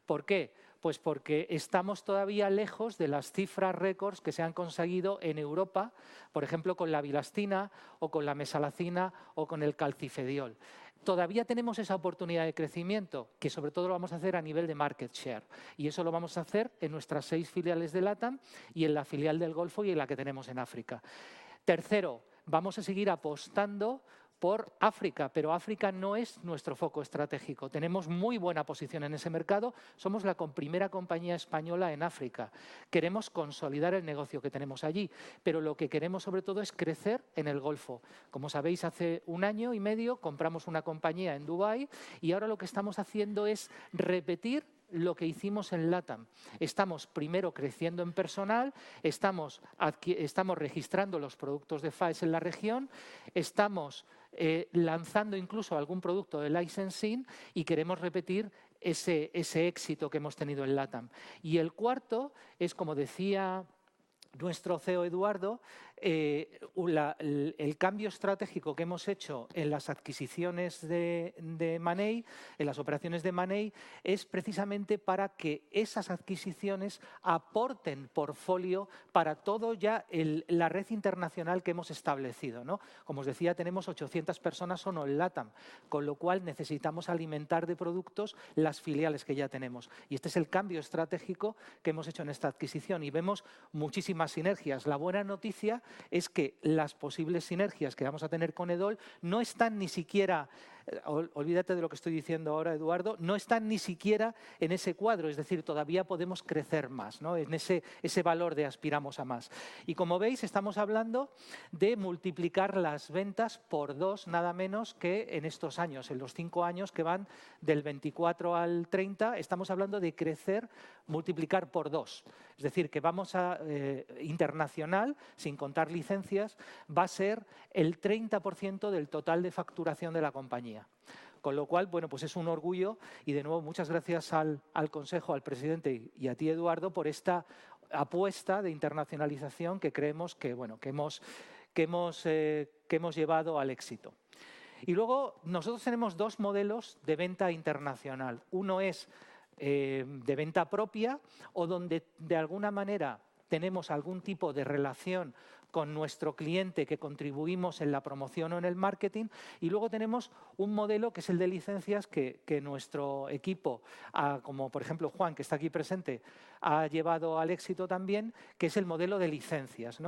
¿Por qué? Pues porque estamos todavía lejos de las cifras récord que se han conseguido en Europa, por ejemplo, con la bilastina, o con la mesalazina, o con el calcifediol. Todavía tenemos esa oportunidad de crecimiento, que sobre todo lo vamos a hacer a nivel de market share, y eso lo vamos a hacer en nuestras seis filiales de LATAM, y en la filial del Golfo, y en la que tenemos en África. Tercero, vamos a seguir apostando por África, pero África no es nuestro foco estratégico. Tenemos muy buena posición en ese mercado, somos la primera compañía española en África. Queremos consolidar el negocio que tenemos allí, pero lo que queremos sobre todo es crecer en el Golfo. Como sabéis, hace un año y medio compramos una compañía en Dubái, y ahora lo que estamos haciendo es repetir lo que hicimos en LATAM. Estamos primero creciendo en personal, estamos registrando los productos de Faes en la región, estamos lanzando incluso algún producto de licensing, y queremos repetir ese éxito que hemos tenido en LATAM. El cuarto es, como decía nuestro CEO Eduardo, el cambio estratégico que hemos hecho en las adquisiciones de M&A, en las operaciones de M&A, es precisamente para que esas adquisiciones aporten portfolio para toda ya la red internacional que hemos establecido. Como os decía, tenemos 800 personas solo en LATAM, con lo cual necesitamos alimentar de productos las filiales que ya tenemos. Y este es el cambio estratégico que hemos hecho en esta adquisición, y vemos muchísimas sinergias. La buena noticia es que las posibles sinergias que vamos a tener con EDOL no están ni siquiera, olvídate de lo que estoy diciendo ahora, Eduardo, no están ni siquiera en ese cuadro, es decir, todavía podemos crecer más, en ese valor de "Aspiramos a más". Y como veis, estamos hablando de multiplicar las ventas por dos, nada menos que en estos años, en los cinco años que van del 24 al 30, estamos hablando de crecer, multiplicar por dos. Es decir, que vamos a internacional, sin contar licencias, va a ser el 30% del total de facturación de la compañía. Con lo cual, bueno, pues es un orgullo, y de nuevo, muchas gracias al consejo, al presidente y a ti, Eduardo, por esta apuesta de internacionalización que creemos que hemos llevado al éxito. Y luego, nosotros tenemos dos modelos de venta internacional. Uno es de venta propia, o donde de alguna manera tenemos algún tipo de relación con nuestro cliente que contribuimos en la promoción o en el marketing, y luego tenemos un modelo que es el de licencias, que nuestro equipo, como por ejemplo Juan, que está aquí presente, ha llevado al éxito también, que es el modelo de licencias.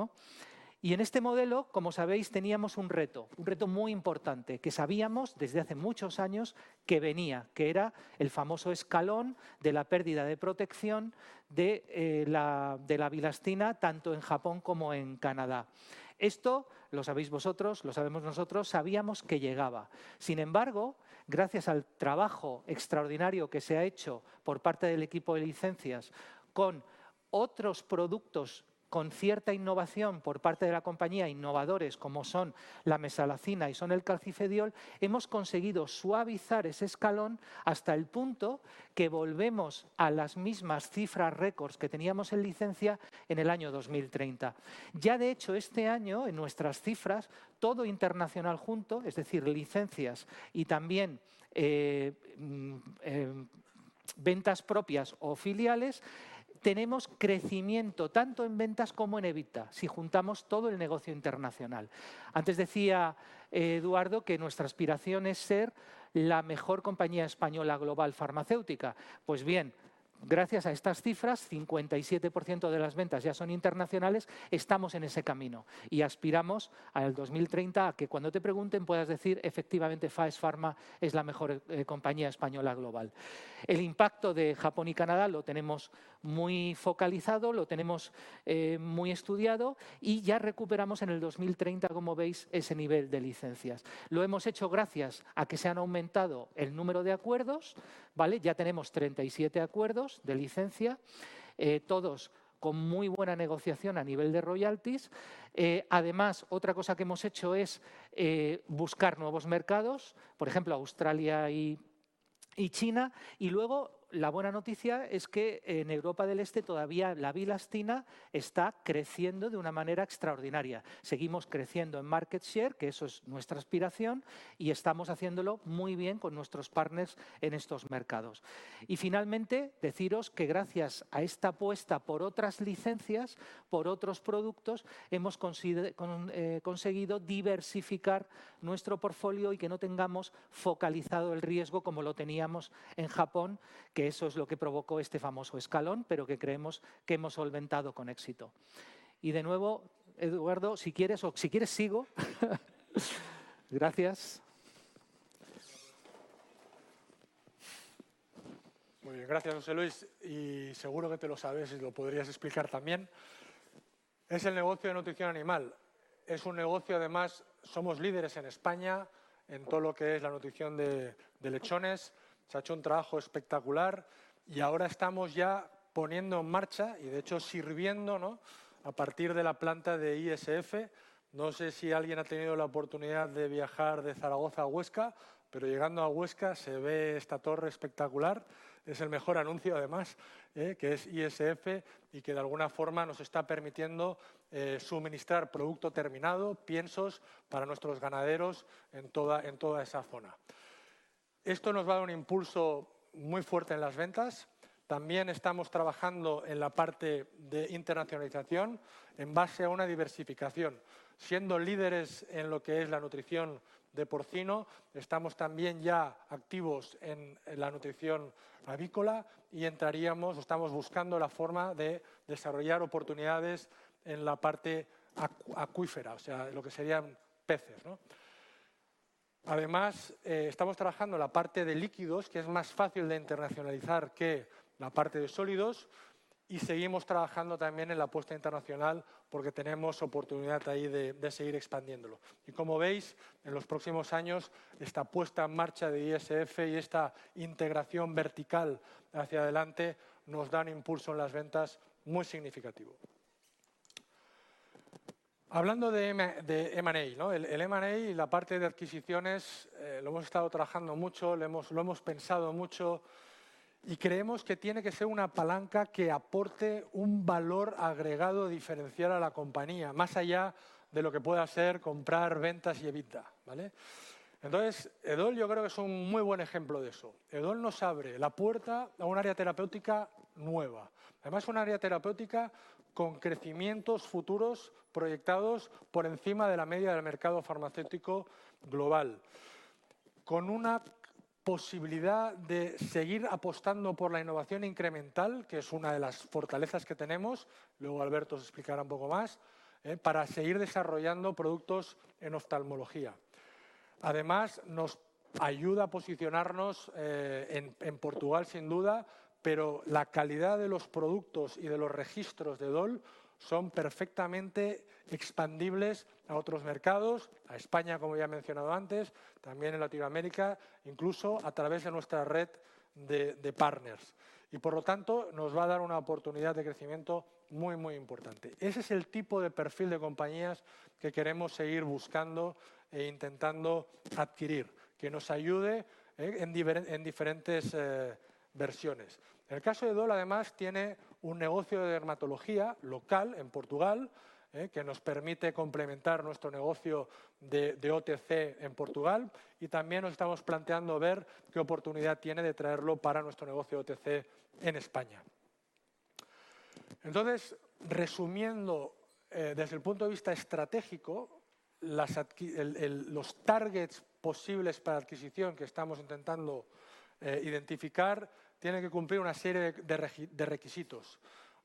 Y en este modelo, como sabéis, teníamos un reto, un reto muy importante, que sabíamos desde hace muchos años que venía, que era el famoso escalón de la pérdida de protección de la bilastina, tanto en Japón como en Canadá. Esto lo sabéis vosotros, lo sabemos nosotros, sabíamos que llegaba. Sin embargo, gracias al trabajo extraordinario que se ha hecho por parte del equipo de licencias con otros productos con cierta innovación por parte de la compañía, innovadores como son la mesalazina y son el calcifediol, hemos conseguido suavizar ese escalón hasta el punto que volvemos a las mismas cifras récord que teníamos en licencia en el año 2030. Ya de hecho, este año, en nuestras cifras, todo internacional junto, es decir, licencias y también ventas propias o filiales, tenemos crecimiento tanto en ventas como en EBITDA, si juntamos todo el negocio internacional. Antes decía Eduardo que nuestra aspiración es ser la mejor compañía española global farmacéutica. Pues bien, gracias a estas cifras, 57% de las ventas ya son internacionales, estamos en ese camino, y aspiramos al 2030 a que cuando te pregunten puedas decir: "Efectivamente, Faes Farma es la mejor compañía española global". El impacto de Japón y Canadá lo tenemos muy focalizado, lo tenemos muy estudiado, y ya recuperamos en el 2030, como veis, ese nivel de licencias. Lo hemos hecho gracias a que se han aumentado el número de acuerdos, ya tenemos 37 acuerdos de licencia, todos con muy buena negociación a nivel de royalties. Además, otra cosa que hemos hecho es buscar nuevos mercados, por ejemplo, Australia y China, y luego la buena noticia es que en Europa del Este todavía la bilastina está creciendo de una manera extraordinaria. Seguimos creciendo en market share, que eso es nuestra aspiración, y estamos haciéndolo muy bien con nuestros partners en estos mercados. Y finalmente, deciros que gracias a esta apuesta por otras licencias, por otros productos, hemos conseguido diversificar nuestro portfolio y que no tengamos focalizado el riesgo como lo teníamos en Japón, que eso es lo que provocó este famoso escalón, pero que creemos que hemos solventado con éxito. Y de nuevo, Eduardo, si quieres, sigo. Gracias. Muy bien, gracias, José Luis, y seguro que te lo sabes y lo podrías explicar también. Es el negocio de nutrición animal, es un negocio, además, somos líderes en España en todo lo que es la nutrición de lechones, se ha hecho un trabajo espectacular, y ahora estamos ya poniendo en marcha, y de hecho sirviendo a partir de la planta de ISF. No sé si alguien ha tenido la oportunidad de viajar de Zaragoza a Huesca, pero llegando a Huesca se ve esta torre espectacular, es el mejor anuncio además, que es ISF, y que de alguna forma nos está permitiendo suministrar producto terminado, piensos para nuestros ganaderos en toda esa zona. Esto nos va a dar un impulso muy fuerte en las ventas, también estamos trabajando en la parte de internacionalización en base a una diversificación, siendo líderes en lo que es la nutrición de porcino, estamos también ya activos en la nutrición avícola, y estamos buscando la forma de desarrollar oportunidades en la parte acuícola, o sea, lo que serían peces. Además, estamos trabajando en la parte de líquidos, que es más fácil de internacionalizar que la parte de sólidos, y seguimos trabajando también en la apuesta internacional, porque tenemos oportunidad ahí de seguir expandiéndolo. Y como veis, en los próximos años, esta puesta en marcha de ISF y esta integración vertical hacia adelante nos da un impulso en las ventas muy significativo. Hablando de M&A, el M&A y la parte de adquisiciones, lo hemos estado trabajando mucho, lo hemos pensado mucho, y creemos que tiene que ser una palanca que aporte un valor agregado diferencial a la compañía, más allá de lo que pueda ser comprar ventas y EBITDA. Entonces, EDOL yo creo que es un muy buen ejemplo de eso. EDOL nos abre la puerta a un área terapéutica nueva, además es un área terapéutica con crecimientos futuros proyectados por encima de la media del mercado farmacéutico global, con una posibilidad de seguir apostando por la innovación incremental, que es una de las fortalezas que tenemos, luego Alberto os explicará un poco más, para seguir desarrollando productos en oftalmología. Además, nos ayuda a posicionarnos en Portugal, sin duda, pero la calidad de los productos y de los registros de EDOL son perfectamente expandibles a otros mercados, a España, como ya he mencionado antes, también en Latinoamérica, incluso a través de nuestra red de partners. Por lo tanto, nos va a dar una oportunidad de crecimiento muy, muy importante. Ese es el tipo de perfil de compañías que queremos seguir buscando e intentando adquirir, que nos ayude en diferentes versiones. En el caso de EDOL, además, tiene un negocio de dermatología local en Portugal, que nos permite complementar nuestro negocio de OTC en Portugal, y también nos estamos planteando ver qué oportunidad tiene de traerlo para nuestro negocio OTC en España. Entonces, resumiendo, desde el punto de vista estratégico, los targets posibles para adquisición que estamos intentando identificar tienen que cumplir una serie de requisitos.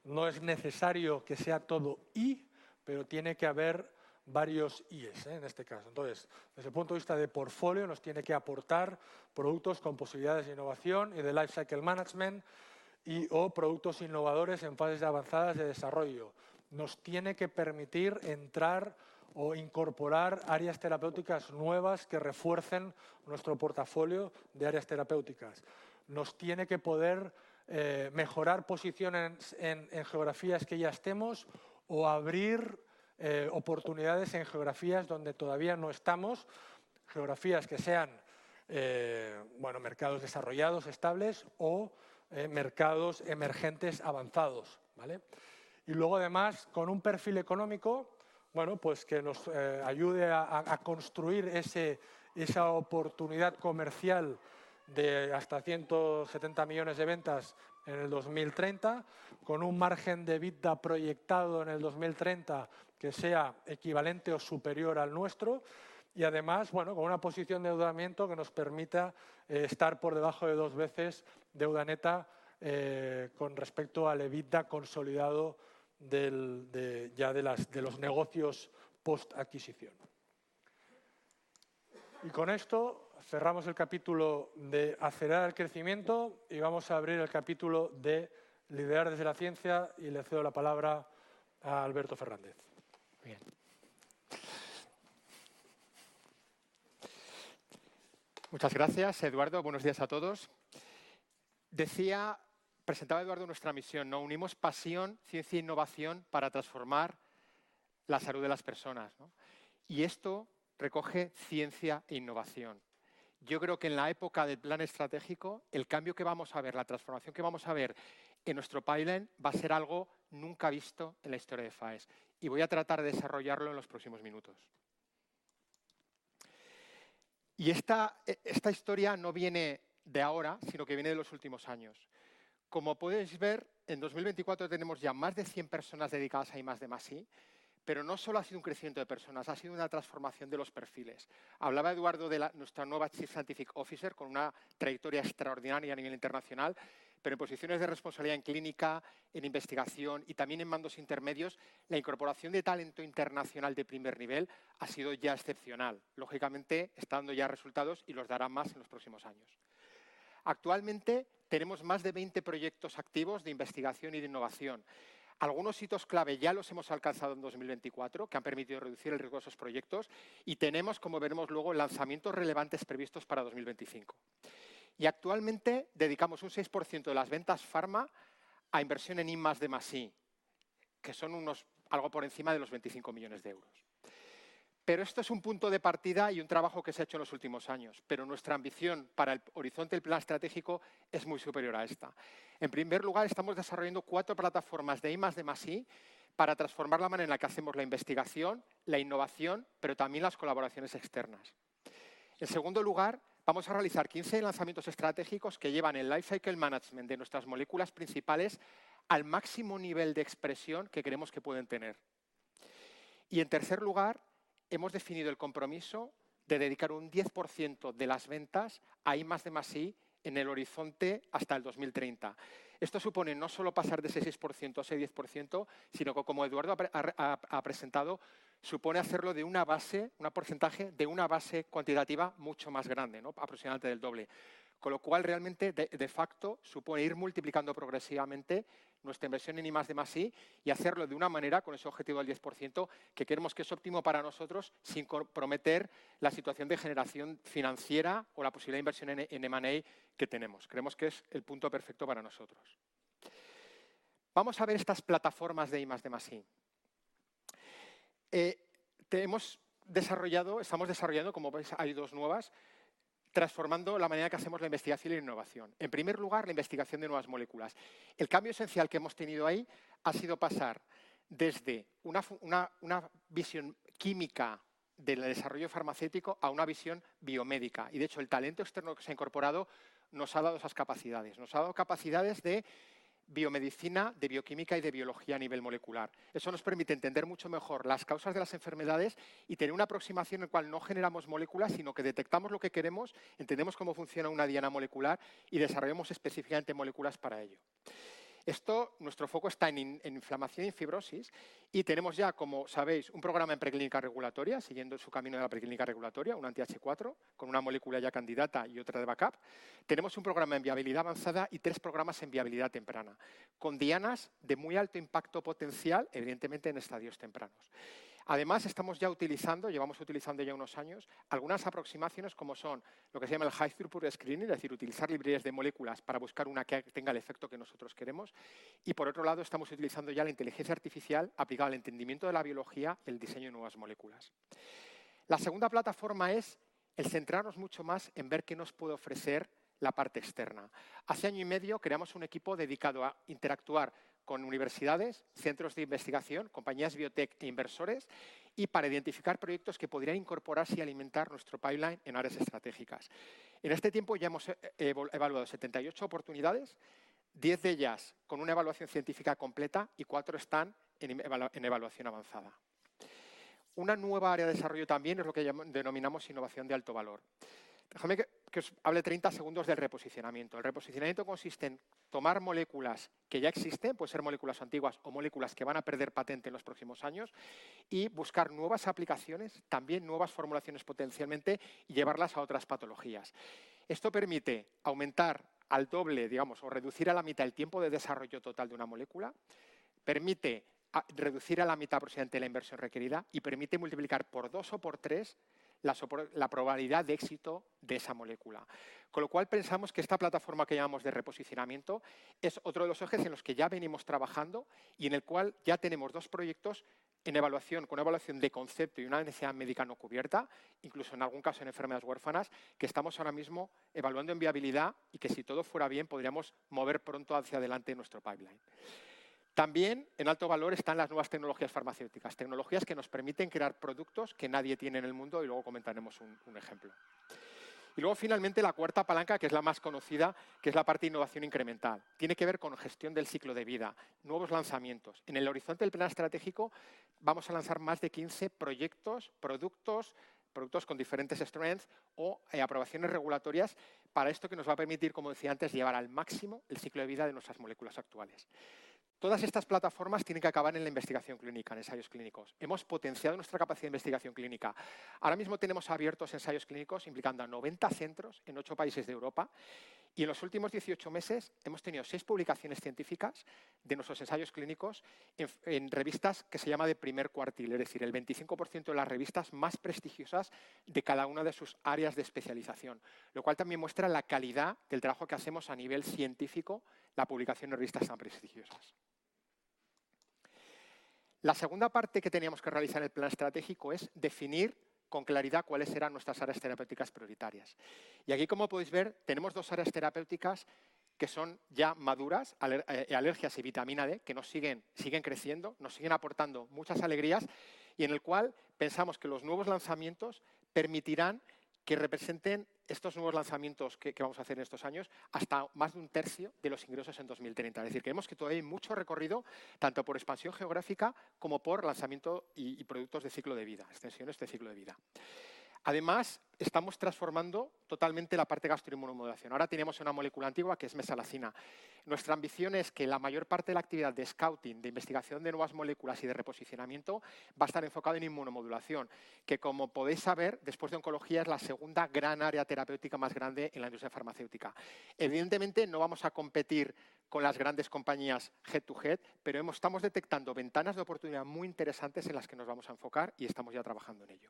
No es necesario que sea todo "y", pero tiene que haber varios "y" en este caso. Entonces, desde el punto de vista de portfolio, nos tiene que aportar productos con posibilidades de innovación y de life cycle management, y/o productos innovadores en fases avanzadas de desarrollo. Nos tiene que permitir entrar o incorporar áreas terapéuticas nuevas que refuercen nuestro portafolio de áreas terapéuticas. Nos tiene que poder mejorar posición en geografías que ya estemos, o abrir oportunidades en geografías donde todavía no estamos, geografías que sean mercados desarrollados, estables, o mercados emergentes avanzados. Y luego, además, con un perfil económico que nos ayude a construir esa oportunidad comercial de hasta $170 millones de ventas en el 2030, con un margen de EBITDA proyectado en el 2030 que sea equivalente o superior al nuestro, y además con una posición de endeudamiento que nos permita estar por debajo de dos veces deuda neta con respecto al EBITDA consolidado ya de los negocios post adquisición. Con esto cerramos el capítulo de acelerar el crecimiento, y vamos a abrir el capítulo de liderar desde la ciencia, y le cedo la palabra a Alberto Fernández. Muchas gracias, Eduardo, buenos días a todos. Presentaba Eduardo nuestra misión: unimos pasión, ciencia e innovación para transformar la salud de las personas, y esto recoge ciencia e innovación. Yo creo que en la época del plan estratégico, el cambio que vamos a ver, la transformación que vamos a ver en nuestro pipeline, va a ser algo nunca visto en la historia de Faes, y voy a tratar de desarrollarlo en los próximos minutos. Esta historia no viene de ahora, sino que viene de los últimos años. Como podéis ver, en 2024 tenemos ya más de 100 personas dedicadas a I+D+i, pero no solo ha sido un crecimiento de personas, ha sido una transformación de los perfiles. Hablaba Eduardo de nuestra nueva Chief Scientific Officer con una trayectoria extraordinaria a nivel internacional, pero en posiciones de responsabilidad en clínica, en investigación y también en mandos intermedios, la incorporación de talento internacional de primer nivel ha sido ya excepcional. Lógicamente, están dando ya resultados y los darán más en los próximos años. Actualmente tenemos más de 20 proyectos activos de investigación y de innovación. Algunos hitos clave ya los hemos alcanzado en 2024, que han permitido reducir el riesgo de esos proyectos, y tenemos, como veremos luego, lanzamientos relevantes previstos para 2025. Actualmente dedicamos un 6% de las ventas farma a inversión en I+D+i, que son algo por encima de los €25 millones. Pero esto es un punto de partida y un trabajo que se ha hecho en los últimos años, pero nuestra ambición para el horizonte del plan estratégico es muy superior a esta. En primer lugar, estamos desarrollando cuatro plataformas de I+D+i para transformar la manera en la que hacemos la investigación, la innovación, pero también las colaboraciones externas. En segundo lugar, vamos a realizar 15 lanzamientos estratégicos que llevan el life cycle management de nuestras moléculas principales al máximo nivel de expresión que creemos que pueden tener. En tercer lugar, hemos definido el compromiso de dedicar un 10% de las ventas a I+D+i en el horizonte hasta el 2030. Esto supone no solo pasar de ese 6% a ese 10%, sino que, como Eduardo ha presentado, supone hacerlo de una base, un porcentaje de una base cuantitativa mucho más grande, aproximadamente del doble. Con lo cual, realmente, de facto, supone ir multiplicando progresivamente nuestra inversión en I+D+i y hacerlo de una manera con ese objetivo del 10% que queremos que es óptimo para nosotros, sin comprometer la situación de generación financiera o la posibilidad de inversión en M&A que tenemos. Creemos que es el punto perfecto para nosotros. Vamos a ver estas plataformas de I+D+i. Estamos desarrollando, como veis, hay dos nuevas, transformando la manera en que hacemos la investigación y la innovación. En primer lugar, la investigación de nuevas moléculas. El cambio esencial que hemos tenido ahí ha sido pasar desde una visión química del desarrollo farmacéutico a una visión biomédica, y de hecho, el talento externo que se ha incorporado nos ha dado esas capacidades. Nos ha dado capacidades de biomedicina, de bioquímica y de biología a nivel molecular. Eso nos permite entender mucho mejor las causas de las enfermedades y tener una aproximación en la cual no generamos moléculas, sino que detectamos lo que queremos, entendemos cómo funciona una diana molecular y desarrollamos específicamente moléculas para ello. Esto, nuestro foco está en inflamación y en fibrosis, y tenemos ya, como sabéis, un programa en preclínica regulatoria, siguiendo su camino de la preclínica regulatoria, un anti-H4 con una molécula ya candidata y otra de backup. Tenemos un programa en viabilidad avanzada y tres programas en viabilidad temprana, con dianas de muy alto impacto potencial, evidentemente en estadios tempranos. Además, estamos ya utilizando, llevamos utilizando ya unos años, algunas aproximaciones como son lo que se llama el high-throughput screening, es decir, utilizar librerías de moléculas para buscar una que tenga el efecto que nosotros queremos, y por otro lado, estamos utilizando ya la inteligencia artificial aplicada al entendimiento de la biología y el diseño de nuevas moléculas. La segunda plataforma es el centrarnos mucho más en ver qué nos puede ofrecer la parte externa. Hace año y medio creamos un equipo dedicado a interactuar con universidades, centros de investigación, compañías biotech e inversores, y para identificar proyectos que podrían incorporarse y alimentar nuestro pipeline en áreas estratégicas. En este tiempo ya hemos evaluado 78 oportunidades, 10 de ellas con una evaluación científica completa y cuatro están en evaluación avanzada. Una nueva área de desarrollo también es lo que denominamos innovación de alto valor. Déjame que os hable 30 segundos del reposicionamiento. El reposicionamiento consiste en tomar moléculas que ya existen, pueden ser moléculas antiguas o moléculas que van a perder patente en los próximos años, y buscar nuevas aplicaciones, también nuevas formulaciones potencialmente, y llevarlas a otras patologías. Esto permite aumentar al doble, digamos, o reducir a la mitad el tiempo de desarrollo total de una molécula, permite reducir a la mitad aproximadamente la inversión requerida, y permite multiplicar por dos o por tres la probabilidad de éxito de esa molécula. Con lo cual pensamos que esta plataforma que llamamos de reposicionamiento es otro de los ejes en los que ya venimos trabajando y en el cual ya tenemos dos proyectos en evaluación, con una evaluación de concepto y una necesidad médica no cubierta, incluso en algún caso en enfermedades huérfanas, que estamos ahora mismo evaluando en viabilidad y que si todo fuera bien podríamos mover pronto hacia adelante nuestro pipeline. También en alto valor están las nuevas tecnologías farmacéuticas, tecnologías que nos permiten crear productos que nadie tiene en el mundo y luego comentaremos un ejemplo. Y luego finalmente la cuarta palanca, que es la más conocida, que es la parte de innovación incremental. Tiene que ver con gestión del ciclo de vida, nuevos lanzamientos. En el horizonte del plan estratégico vamos a lanzar más de 15 proyectos, productos con diferentes fortalezas o aprobaciones regulatorias para esto que nos va a permitir, como decía antes, llevar al máximo el ciclo de vida de nuestras moléculas actuales. Todas estas plataformas tienen que acabar en la investigación clínica, en ensayos clínicos. Hemos potenciado nuestra capacidad de investigación clínica. Ahora mismo tenemos abiertos ensayos clínicos implicando a 90 centros en ocho países de Europa, y en los últimos 18 meses hemos tenido seis publicaciones científicas de nuestros ensayos clínicos en revistas que se llaman de primer cuartil, es decir, el 25% de las revistas más prestigiosas de cada una de sus áreas de especialización, lo cual también muestra la calidad del trabajo que hacemos a nivel científico, la publicación en revistas tan prestigiosas. La segunda parte que teníamos que realizar en el plan estratégico es definir con claridad cuáles eran nuestras áreas terapéuticas prioritarias. Y aquí, como podéis ver, tenemos dos áreas terapéuticas que son ya maduras, alergias y vitamina D, que nos siguen creciendo, nos siguen aportando muchas alegrías, y en las cuales pensamos que los nuevos lanzamientos permitirán que representen estos nuevos lanzamientos que vamos a hacer en estos años hasta más de un tercio de los ingresos en 2030. Es decir, creemos que todavía hay mucho recorrido tanto por expansión geográfica como por lanzamiento y productos de ciclo de vida, extensiones de ciclo de vida. Además, estamos transformando totalmente la parte gastroinmunomodulación. Ahora tenemos una molécula antigua que es mesalazina. Nuestra ambición es que la mayor parte de la actividad de scouting, de investigación de nuevas moléculas y de reposicionamiento va a estar enfocada en inmunomodulación, que como podéis saber, después de oncología es la segunda gran área terapéutica más grande en la industria farmacéutica. Evidentemente, no vamos a competir con las grandes compañías head to head, pero estamos detectando ventanas de oportunidad muy interesantes en las que nos vamos a enfocar y estamos ya trabajando en ello.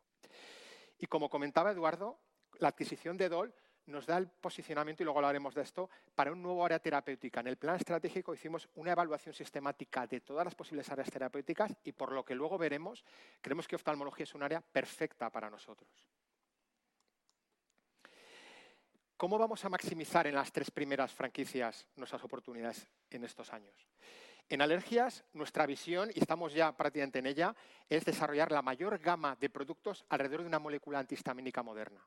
Como comentaba Eduardo, la adquisición de EDOL nos da el posicionamiento, y luego hablaremos de esto, para un nuevo área terapéutica. En el plan estratégico hicimos una evaluación sistemática de todas las posibles áreas terapéuticas y por lo que luego veremos, creemos que oftalmología es un área perfecta para nosotros. ¿Cómo vamos a maximizar en las tres primeras franquicias nuestras oportunidades en estos años? En alergias, nuestra visión, y estamos ya prácticamente en ella, es desarrollar la mayor gama de productos alrededor de una molécula antihistamínica moderna.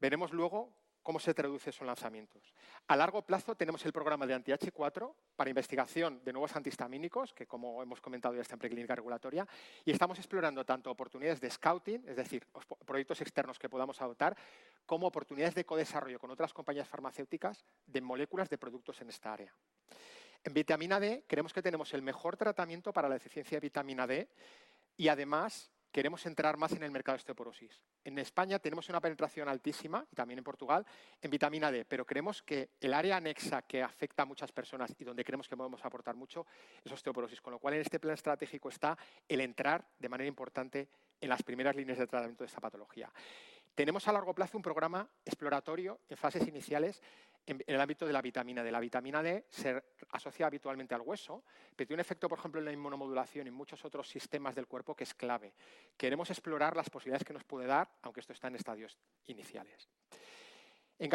Veremos luego cómo se traduce eso en lanzamientos. A largo plazo tenemos el programa de anti-H4 para investigación de nuevos antihistamínicos, que como hemos comentado ya está en preclínica regulatoria, y estamos explorando tanto oportunidades de scouting, es decir, proyectos externos que podamos adoptar, como oportunidades de codesarrollo con otras compañías farmacéuticas de moléculas de productos en esta área. En vitamina D creemos que tenemos el mejor tratamiento para la deficiencia de vitamina D y además queremos entrar más en el mercado de osteoporosis. En España tenemos una penetración altísima, y también en Portugal, en vitamina D, pero creemos que el área anexa que afecta a muchas personas y donde creemos que podemos aportar mucho es osteoporosis, con lo cual en este plan estratégico está el entrar de manera importante en las primeras líneas de tratamiento de esta patología. Tenemos a largo plazo un programa exploratorio en fases iniciales en el ámbito de la vitamina D. La vitamina D se asocia habitualmente al hueso, pero tiene un efecto, por ejemplo, en la inmunomodulación y en muchos otros sistemas del cuerpo que es clave. Queremos explorar las posibilidades que nos puede dar, aunque esto está en estadios iniciales. En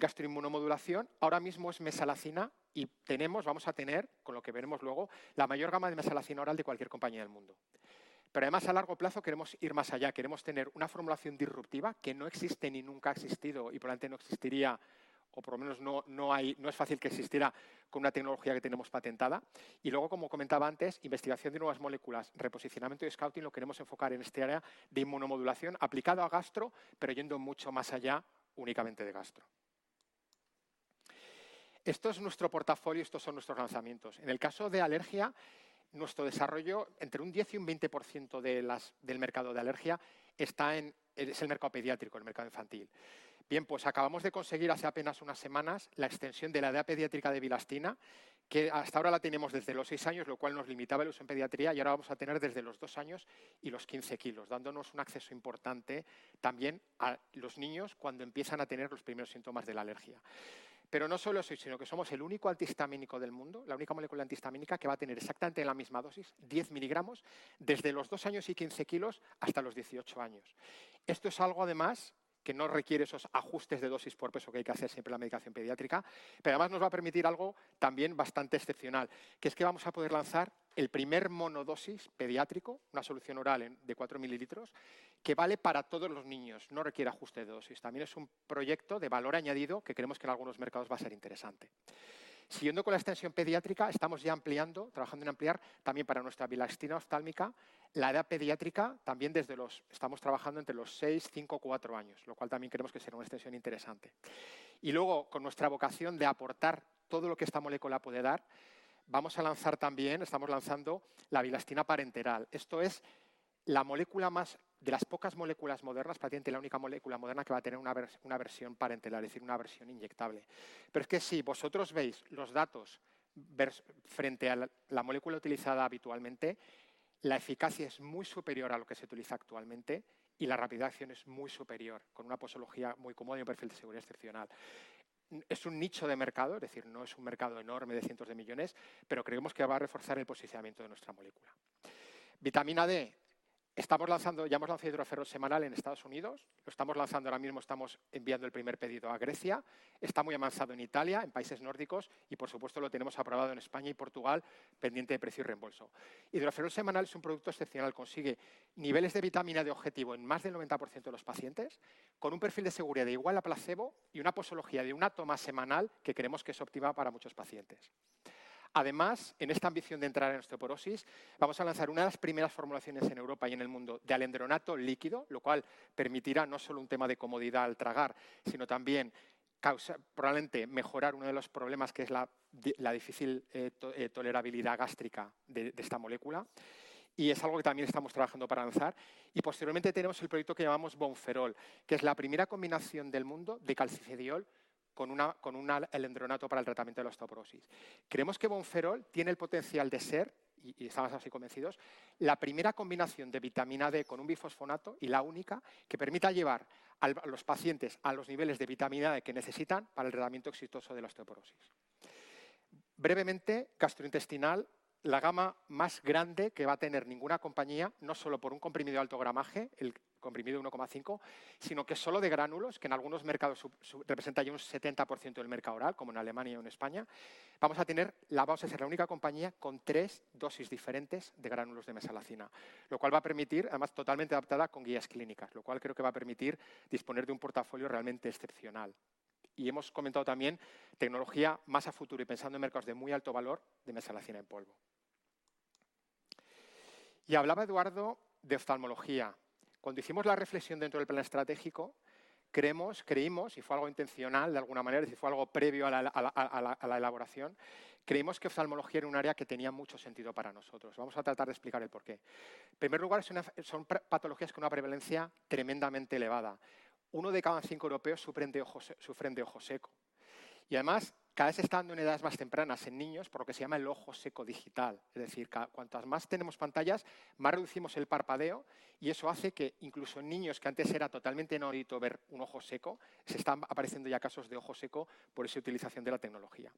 gastroinmunomodulación ahora mismo es mesalazina y vamos a tener con lo que veremos luego la mayor gama de mesalazina oral de cualquier compañía del mundo. Pero además a largo plazo queremos ir más allá, queremos tener una formulación disruptiva que no existe ni nunca ha existido y probablemente no existiría, o por lo menos no es fácil que existiera con una tecnología que tenemos patentada. Y luego, como comentaba antes, investigación de nuevas moléculas, reposicionamiento y scouting lo queremos enfocar en esta área de inmunomodulación aplicado a gastro, pero yendo mucho más allá únicamente de gastro. Esto es nuestro portafolio, estos son nuestros lanzamientos. En el caso de alergia, nuestro desarrollo entre un 10% y un 20% del mercado de alergia es el mercado pediátrico, el mercado infantil. Bien, pues acabamos de conseguir hace apenas unas semanas la extensión de la edad pediátrica de bilastina, que hasta ahora la teníamos desde los seis años, lo cual nos limitaba el uso en pediatría, y ahora vamos a tener desde los dos años y los 15 kilos, dándonos un acceso importante también a los niños cuando empiezan a tener los primeros síntomas de la alergia. Pero no solo eso, sino que somos el único antihistamínico del mundo, la única molécula antihistamínica que va a tener exactamente la misma dosis, 10 miligramos, desde los dos años y 15 kilos hasta los 18 años. Esto es algo además que no requiere esos ajustes de dosis por peso que hay que hacer siempre en la medicación pediátrica, pero además nos va a permitir algo también bastante excepcional, que es que vamos a poder lanzar el primer monodosis pediátrico, una solución oral de 4 mililitros que vale para todos los niños, no requiere ajuste de dosis. También es un proyecto de valor añadido que creemos que en algunos mercados va a ser interesante. Siguiendo con la extensión pediátrica, estamos ya ampliando, trabajando en ampliar también para nuestra bilastina oftálmica la edad pediátrica, también estamos trabajando entre los seis, cinco, cuatro años, lo cual también creemos que será una extensión interesante. Y luego, con nuestra vocación de aportar todo lo que esta molécula puede dar, vamos a lanzar también, estamos lanzando la bilastina parenteral. Esta es la molécula más de las pocas moléculas modernas, prácticamente la única molécula moderna que va a tener una versión parenteral, es decir, una versión inyectable. Pero es que si vosotros veis los datos frente a la molécula utilizada habitualmente, la eficacia es muy superior a lo que se utiliza actualmente y la rapidez de acción es muy superior, con una posología muy cómoda y un perfil de seguridad excepcional. Es un nicho de mercado, es decir, no es un mercado enorme de cientos de millones, pero creemos que va a reforzar el posicionamiento de nuestra molécula. Vitamina D, ya hemos lanzado Hidroferrol semanal en Estados Unidos, lo estamos lanzando ahora mismo, estamos enviando el primer pedido a Grecia, está muy avanzado en Italia, en países nórdicos, y por supuesto lo tenemos aprobado en España y Portugal, pendiente de precio y reembolso. Hidroferrol semanal es un producto excepcional, consigue niveles de vitamina D objetivo en más del 90% de los pacientes, con un perfil de seguridad igual a placebo y una posología de una toma semanal que creemos que es óptima para muchos pacientes. Además, en esta ambición de entrar en osteoporosis, vamos a lanzar una de las primeras formulaciones en Europa y en el mundo de alendronato líquido, lo cual permitirá no solo un tema de comodidad al tragar, sino también probablemente mejorar uno de los problemas que es la difícil tolerabilidad gástrica de esta molécula, y es algo que también estamos trabajando para lanzar. Posteriormente tenemos el proyecto que llamamos Bonferol, que es la primera combinación del mundo de calcifediol con alendronato para el tratamiento de la osteoporosis. Creemos que Bonferol tiene el potencial de ser, y estamos así convencidos, la primera combinación de vitamina D con un bifosfonato y la única que permita llevar a los pacientes a los niveles de vitamina D que necesitan para el tratamiento exitoso de la osteoporosis. Brevemente, gastrointestinal, la gama más grande que va a tener ninguna compañía, no solo por un comprimido de alto gramaje, el comprimido de 1,5, sino que solo de gránulos, que en algunos mercados representa ya un 70% del mercado oral, como en Alemania y en España. Vamos a tener la, vamos a ser la única compañía con tres dosis diferentes de gránulos de mesalazina, lo cual va a permitir, además totalmente adaptada con guías clínicas, lo cual creo que va a permitir disponer de un portafolio realmente excepcional. Y hemos comentado también tecnología más a futuro y pensando en mercados de muy alto valor de mesalazina en polvo. Y hablaba Eduardo de oftalmología. Cuando hicimos la reflexión dentro del plan estratégico, creemos, creímos, y fue algo intencional de alguna manera, es decir, fue algo previo a la elaboración, creímos que oftalmología era un área que tenía mucho sentido para nosotros. Vamos a tratar de explicar el porqué. En primer lugar, son patologías con una prevalencia tremendamente elevada. Uno de cada cinco europeos sufre de ojo seco. Y además, cada vez están en edades más tempranas en niños por lo que se llama el ojo seco digital, es decir, cuantas más pantallas tenemos, más reducimos el parpadeo, y eso hace que incluso en niños que antes era totalmente inaudito ver un ojo seco, se están apareciendo ya casos de ojo seco por esa utilización de la tecnología.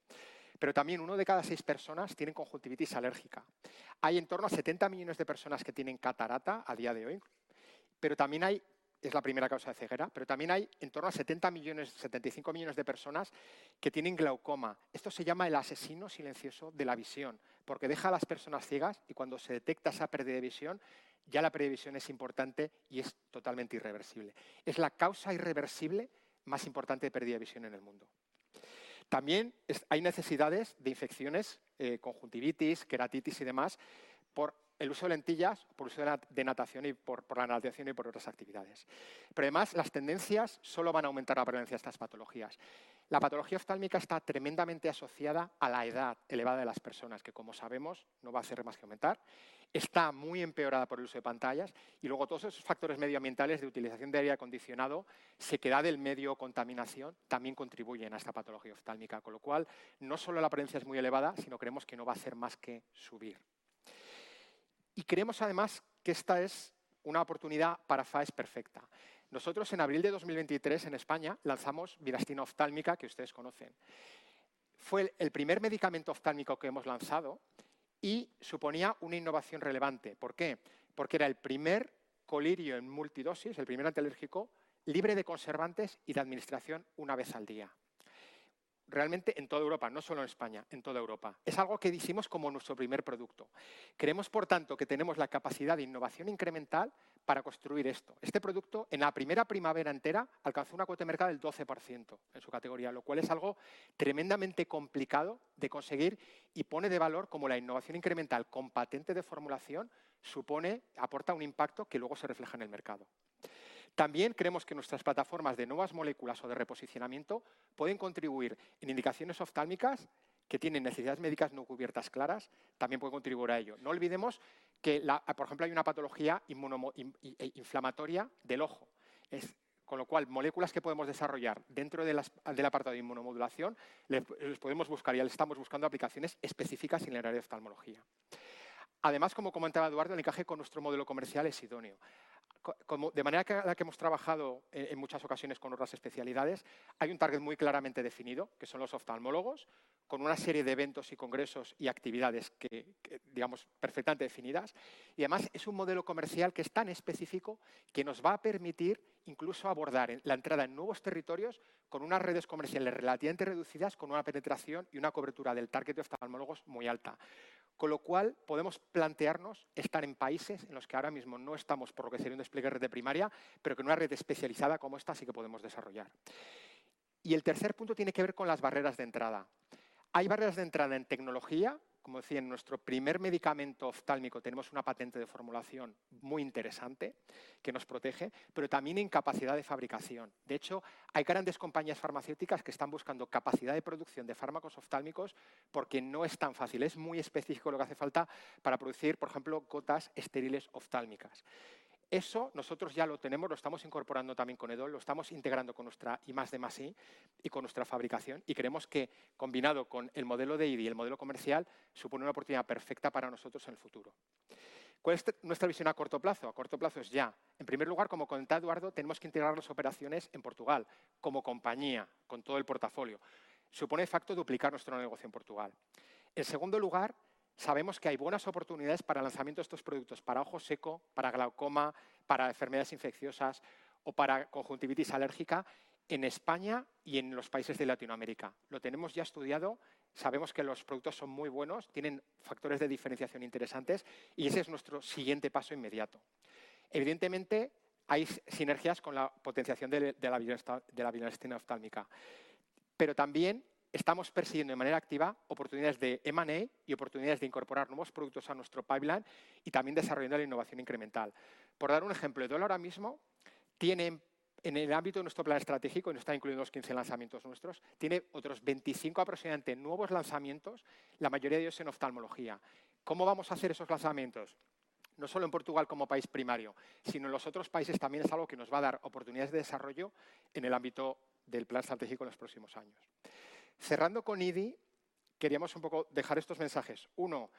Pero también una de cada seis personas tiene conjuntivitis alérgica. Hay en torno a 70 millones de personas que tienen cataratas a día de hoy, pero también hay, es la primera causa de ceguera, pero también hay en torno a 75 millones de personas que tienen glaucoma. Esto se llama el asesino silencioso de la visión, porque deja a las personas ciegas y cuando se detecta esa pérdida de visión, ya la pérdida de visión es importante y es totalmente irreversible. Es la causa irreversible más importante de pérdida de visión en el mundo. También hay necesidades de infecciones, conjuntivitis, queratitis y demás, por el uso de lentillas, por el uso de natación y por otras actividades. Pero además, las tendencias solo van a aumentar la prevalencia de estas patologías. La patología oftálmica está tremendamente asociada a la edad elevada de las personas, que como sabemos no va a hacer más que aumentar, está muy empeorada por el uso de pantallas, y luego todos esos factores medioambientales de utilización de aire acondicionado, sequedad del medio, contaminación, también contribuyen a esta patología oftálmica, con lo cual no solo la prevalencia es muy elevada, sino creemos que no va a hacer más que subir. Creemos además que esta es una oportunidad para FAES perfecta. Nosotros en abril de 2023 en España lanzamos vilastina oftálmica que ustedes conocen. Fue el primer medicamento oftálmico que hemos lanzado y suponía una innovación relevante. ¿Por qué? Porque era el primer colirio en multidosis, el primer antialérgico libre de conservantes y de administración una vez al día. Realmente en toda Europa, no solo en España, en toda Europa. Es algo que dijimos como nuestro primer producto. Creemos, por tanto, que tenemos la capacidad de innovación incremental para construir esto. Este producto en la primera primavera entera alcanzó una cuota de mercado del 12% en su categoría, lo cual es algo tremendamente complicado de conseguir y pone de valor cómo la innovación incremental con patente de formulación aporta un impacto que luego se refleja en el mercado. También creemos que nuestras plataformas de nuevas moléculas o de reposicionamiento pueden contribuir en indicaciones oftálmicas que tienen necesidades médicas no cubiertas claras, también puede contribuir a ello. No olvidemos que, por ejemplo, hay una patología inflamatoria del ojo, con lo cual moléculas que podemos desarrollar dentro del apartado de inmunomodulación las podemos buscar y estamos buscando aplicaciones específicas en el área de oftalmología. Además, como comentaba Eduardo, el encaje con nuestro modelo comercial es idóneo. De manera que hemos trabajado en muchas ocasiones con otras especialidades, hay un target muy claramente definido, que son los oftalmólogos, con una serie de eventos y congresos y actividades perfectamente definidas, y además es un modelo comercial que es tan específico que nos va a permitir incluso abordar la entrada en nuevos territorios con unas redes comerciales relativamente reducidas, con una penetración y una cobertura del target de oftalmólogos muy alta. Con lo cual podemos plantearnos estar en países en los que ahora mismo no estamos por lo que sería una split de red de primaria, pero que en una red especializada como esta sí que podemos desarrollar. El tercer punto tiene que ver con las barreras de entrada. Hay barreras de entrada en tecnología, como decía, en nuestro primer medicamento oftálmico tenemos una patente de formulación muy interesante que nos protege, pero también en capacidad de fabricación. De hecho, hay grandes compañías farmacéuticas que están buscando capacidad de producción de fármacos oftálmicos porque no es tan fácil, es muy específico lo que hace falta para producir, por ejemplo, gotas estériles oftálmicas. Eso nosotros ya lo tenemos, lo estamos incorporando también con EDOL, lo estamos integrando con nuestra I+D+I y con nuestra fabricación, y creemos que combinado con el modelo de IDI y el modelo comercial supone una oportunidad perfecta para nosotros en el futuro. ¿Cuál es nuestra visión a corto plazo? A corto plazo es ya. En primer lugar, como comentaba Eduardo, tenemos que integrar las operaciones en Portugal como compañía con todo el portafolio. Supone de facto duplicar nuestro negocio en Portugal. En segundo lugar, sabemos que hay buenas oportunidades para el lanzamiento de estos productos para ojo seco, para glaucoma, para enfermedades infecciosas o para conjuntivitis alérgica en España y en los países de Latinoamérica. Lo tenemos ya estudiado, sabemos que los productos son muy buenos, tienen factores de diferenciación interesantes y ese es nuestro siguiente paso inmediato. Evidentemente, hay sinergias con la potenciación de la bilastina oftálmica, pero también estamos persiguiendo de manera activa oportunidades de M&A y oportunidades de incorporar nuevos productos a nuestro pipeline y también desarrollando la innovación incremental. Por dar un ejemplo, EDOL ahora mismo tiene en el ámbito de nuestro plan estratégico, y no está incluido en los 15 lanzamientos nuestros, tiene otros 25 aproximadamente nuevos lanzamientos, la mayoría de ellos en oftalmología. ¿Cómo vamos a hacer esos lanzamientos? No solo en Portugal como país primario, sino en los otros países también es algo que nos va a dar oportunidades de desarrollo en el ámbito del plan estratégico en los próximos años. Cerrando con I+D+i, queríamos un poco dejar estos mensajes. Uno,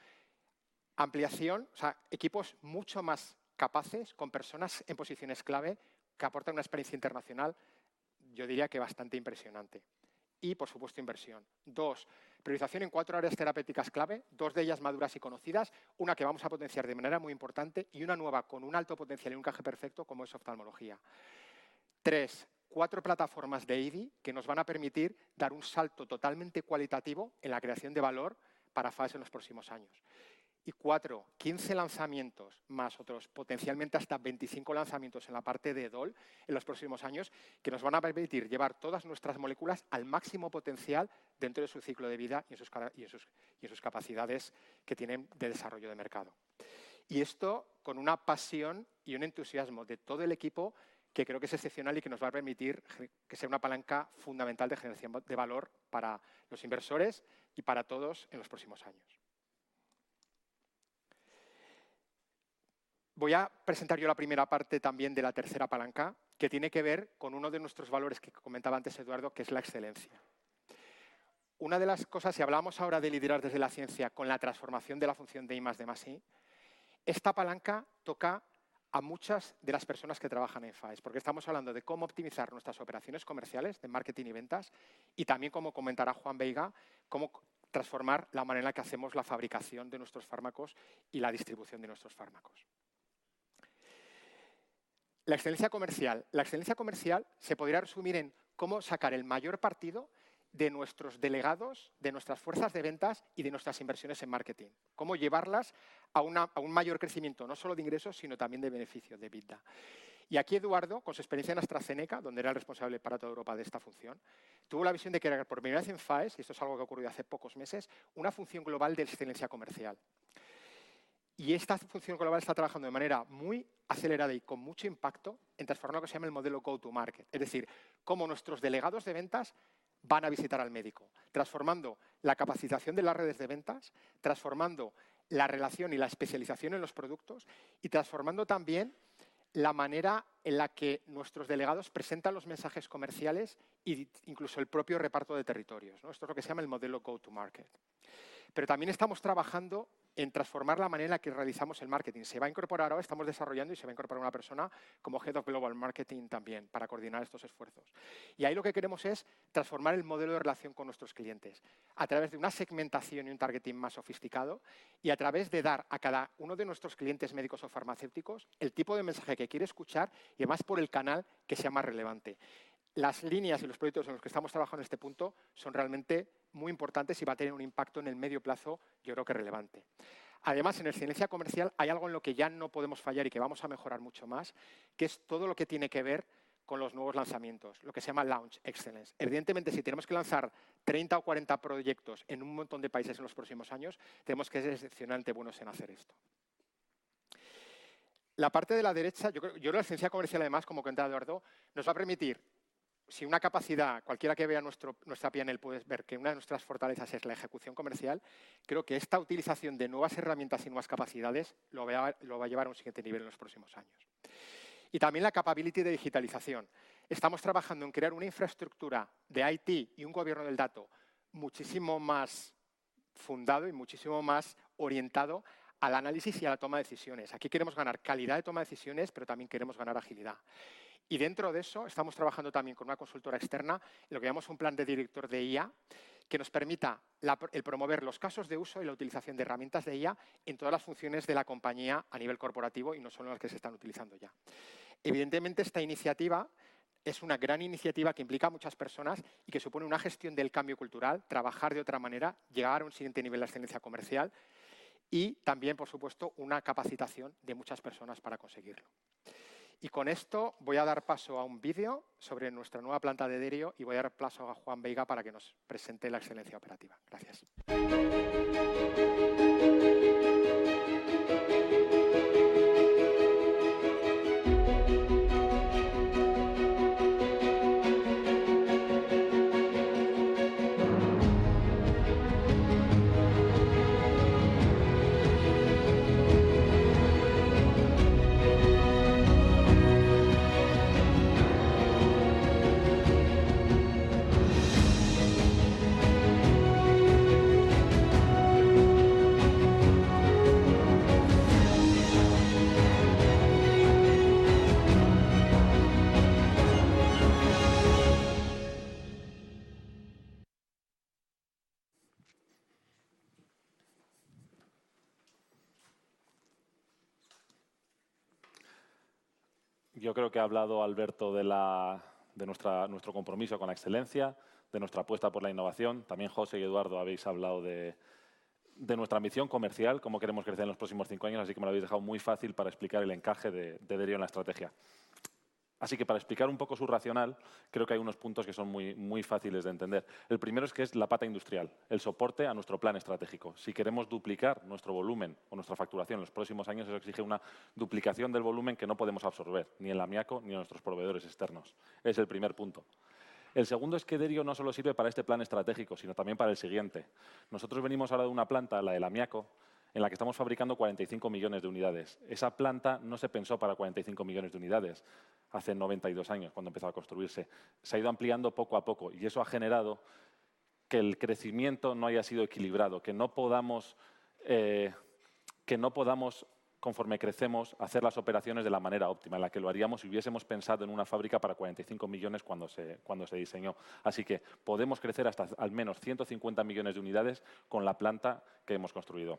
ampliación, o sea, equipos mucho más capaces con personas en posiciones clave que aportan una experiencia internacional, yo diría que bastante impresionante. Y por supuesto, inversión. Dos, priorización en cuatro áreas terapéuticas clave, dos de ellas maduras y conocidas, una que vamos a potenciar de manera muy importante y una nueva con un alto potencial y un encaje perfecto como es oftalmología. Tres, cuatro plataformas de I+D que nos van a permitir dar un salto totalmente cualitativo en la creación de valor para FAES en los próximos años. Y cuatro, 15 lanzamientos más otros, potencialmente hasta 25 lanzamientos en la parte de EDOL en los próximos años que nos van a permitir llevar todas nuestras moléculas al máximo potencial dentro de su ciclo de vida y en sus capacidades que tienen de desarrollo de mercado. Y esto con una pasión y un entusiasmo de todo el equipo que creo que es excepcional y que nos va a permitir que sea una palanca fundamental de generación de valor para los inversores y para todos en los próximos años. Voy a presentar yo la primera parte también de la tercera palanca, que tiene que ver con uno de nuestros valores que comentaba antes Eduardo, que es la excelencia. Una de las cosas, si hablamos ahora de liderar desde la ciencia con la transformación de la función de I+D+I, esta palanca toca a muchas de las personas que trabajan en FAES, porque estamos hablando de cómo optimizar nuestras operaciones comerciales de marketing y ventas, y también, como comentará Juan Veiga, cómo transformar la manera en la que hacemos la fabricación de nuestros fármacos y la distribución de nuestros fármacos. La excelencia comercial se podría resumir en cómo sacar el mayor partido de nuestros delegados, de nuestras fuerzas de ventas y de nuestras inversiones en marketing, cómo llevarlas a un mayor crecimiento, no solo de ingresos, sino también de beneficios, de EBITDA. Y aquí Eduardo, con su experiencia en AstraZeneca, donde era el responsable para toda Europa de esta función, tuvo la visión de crear por primera vez en FAES, y esto es algo que ha ocurrido hace pocos meses, una función global de excelencia comercial. Esta función global está trabajando de manera muy acelerada y con mucho impacto en transformar lo que se llama el modelo go-to-market, es decir, cómo nuestros delegados de ventas van a visitar al médico, transformando la capacitación de las redes de ventas, transformando la relación y la especialización en los productos, y transformando también la manera en la que nuestros delegados presentan los mensajes comerciales e incluso el propio reparto de territorios. Esto es lo que se llama el modelo go-to-market. También estamos trabajando en transformar la manera en la que realizamos el marketing. Se va a incorporar, ahora estamos desarrollando y se va a incorporar una persona como Head of Global Marketing también para coordinar estos esfuerzos. Y ahí lo que queremos es transformar el modelo de relación con nuestros clientes a través de una segmentación y un targeting más sofisticado, y a través de dar a cada uno de nuestros clientes médicos o farmacéuticos el tipo de mensaje que quiere escuchar y además por el canal que sea más relevante. Las líneas y los proyectos en los que estamos trabajando en este punto son realmente muy importantes y va a tener un impacto en el medio plazo, yo creo que relevante. Además, en excelencia comercial hay algo en lo que ya no podemos fallar y que vamos a mejorar mucho más, que es todo lo que tiene que ver con los nuevos lanzamientos, lo que se llama launch excellence. Evidentemente, si tenemos que lanzar 30 o 40 proyectos en un montón de países en los próximos años, tenemos que ser excepcionalmente buenos en hacer esto. La parte de la derecha, yo creo que la excelencia comercial, además, como comentaba Eduardo, nos va a permitir, si una capacidad cualquiera que vea nuestra piel, puedes ver que una de nuestras fortalezas es la ejecución comercial, creo que esta utilización de nuevas herramientas y nuevas capacidades lo va a llevar a un siguiente nivel en los próximos años. Y también la capacidad de digitalización. Estamos trabajando en crear una infraestructura de TI y un gobierno del dato muchísimo más fundado y muchísimo más orientado al análisis y a la toma de decisiones. Aquí queremos ganar calidad de toma de decisiones, pero también queremos ganar agilidad. Y dentro de eso estamos trabajando también con una consultora externa, lo que llamamos un plan de director de IA, que nos permita promover los casos de uso y la utilización de herramientas de IA en todas las funciones de la compañía a nivel corporativo y no solo en las que se están utilizando ya. Evidentemente, esta iniciativa es una gran iniciativa que implica a muchas personas y que supone una gestión del cambio cultural, trabajar de otra manera, llegar a un siguiente nivel de excelencia comercial y también, por supuesto, una capacitación de muchas personas para conseguirlo. Y con esto voy a dar paso a un vídeo sobre nuestra nueva planta de Derio y voy a dar paso a Juan Veiga para que nos presente la excelencia operativa. Gracias. Yo creo que ha hablado Alberto de nuestro compromiso con la excelencia, de nuestra apuesta por la innovación. También José y Eduardo habéis hablado de nuestra ambición comercial, cómo queremos crecer en los próximos cinco años, así que me lo habéis dejado muy fácil para explicar el encaje de Derio en la estrategia. Para explicar un poco su racional, creo que hay unos puntos que son muy fáciles de entender. El primero es que es la pata industrial, el soporte a nuestro plan estratégico. Si queremos duplicar nuestro volumen o nuestra facturación en los próximos años, eso exige una duplicación del volumen que no podemos absorber, ni en Lamiaco ni en nuestros proveedores externos. Es el primer punto. El segundo es que Derio no solo sirve para este plan estratégico, sino también para el siguiente. Nosotros venimos ahora de una planta, la de Lamiaco, en la que estamos fabricando 45 millones de unidades. Esa planta no se pensó para 45 millones de unidades hace 92 años, cuando empezó a construirse. Se ha ido ampliando poco a poco y eso ha generado que el crecimiento no haya sido equilibrado, que no podamos, conforme crecemos, hacer las operaciones de la manera óptima en la que lo haríamos si hubiésemos pensado en una fábrica para 45 millones cuando se diseñó. Así que podemos crecer hasta al menos 150 millones de unidades con la planta que hemos construido.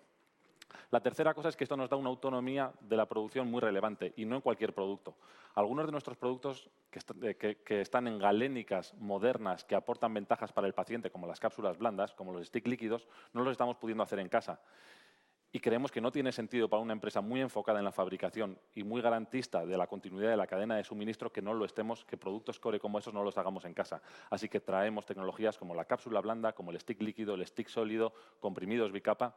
La tercera cosa es que esto nos da una autonomía de la producción muy relevante y no en cualquier producto. Algunos de nuestros productos que están en galénicas modernas que aportan ventajas para el paciente, como las cápsulas blandas, como los sticks líquidos, no los estamos pudiendo hacer en casa. Y creemos que no tiene sentido para una empresa muy enfocada en la fabricación y muy garantista de la continuidad de la cadena de suministro que no lo estemos, que productos core como estos no los hagamos en casa. Así que traemos tecnologías como la cápsula blanda, como el stick líquido, el stick sólido, comprimidos bicapa,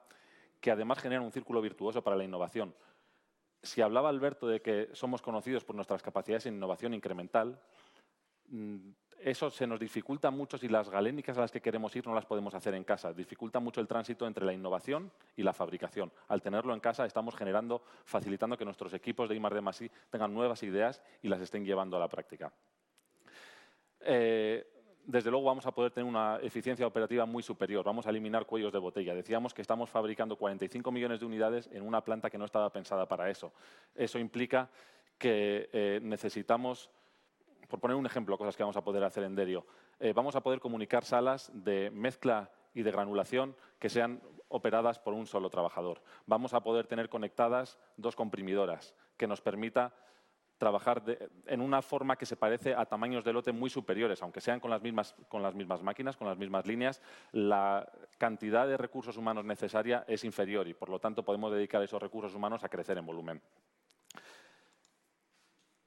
que además generan un círculo virtuoso para la innovación. Si hablaba Alberto de que somos conocidos por nuestras capacidades en innovación incremental, eso se nos dificulta mucho si las galénicas a las que queremos ir no las podemos hacer en casa. Dificulta mucho el tránsito entre la innovación y la fabricación. Al tenerlo en casa, estamos generando, facilitando que nuestros equipos de I+D+I tengan nuevas ideas y las estén llevando a la práctica. Desde luego, vamos a poder tener una eficiencia operativa muy superior, vamos a eliminar cuellos de botella. Decíamos que estamos fabricando 45 millones de unidades en una planta que no estaba pensada para eso. Eso implica que necesitamos, por poner un ejemplo, cosas que vamos a poder hacer en Derio. Vamos a poder comunicar salas de mezcla y de granulación que sean operadas por un solo trabajador. Vamos a poder tener conectadas dos comprimidoras que nos permita trabajar en una forma que se parece a tamaños de lote muy superiores, aunque sean con las mismas máquinas, con las mismas líneas, la cantidad de recursos humanos necesaria es inferior y, por lo tanto, podemos dedicar esos recursos humanos a crecer en volumen.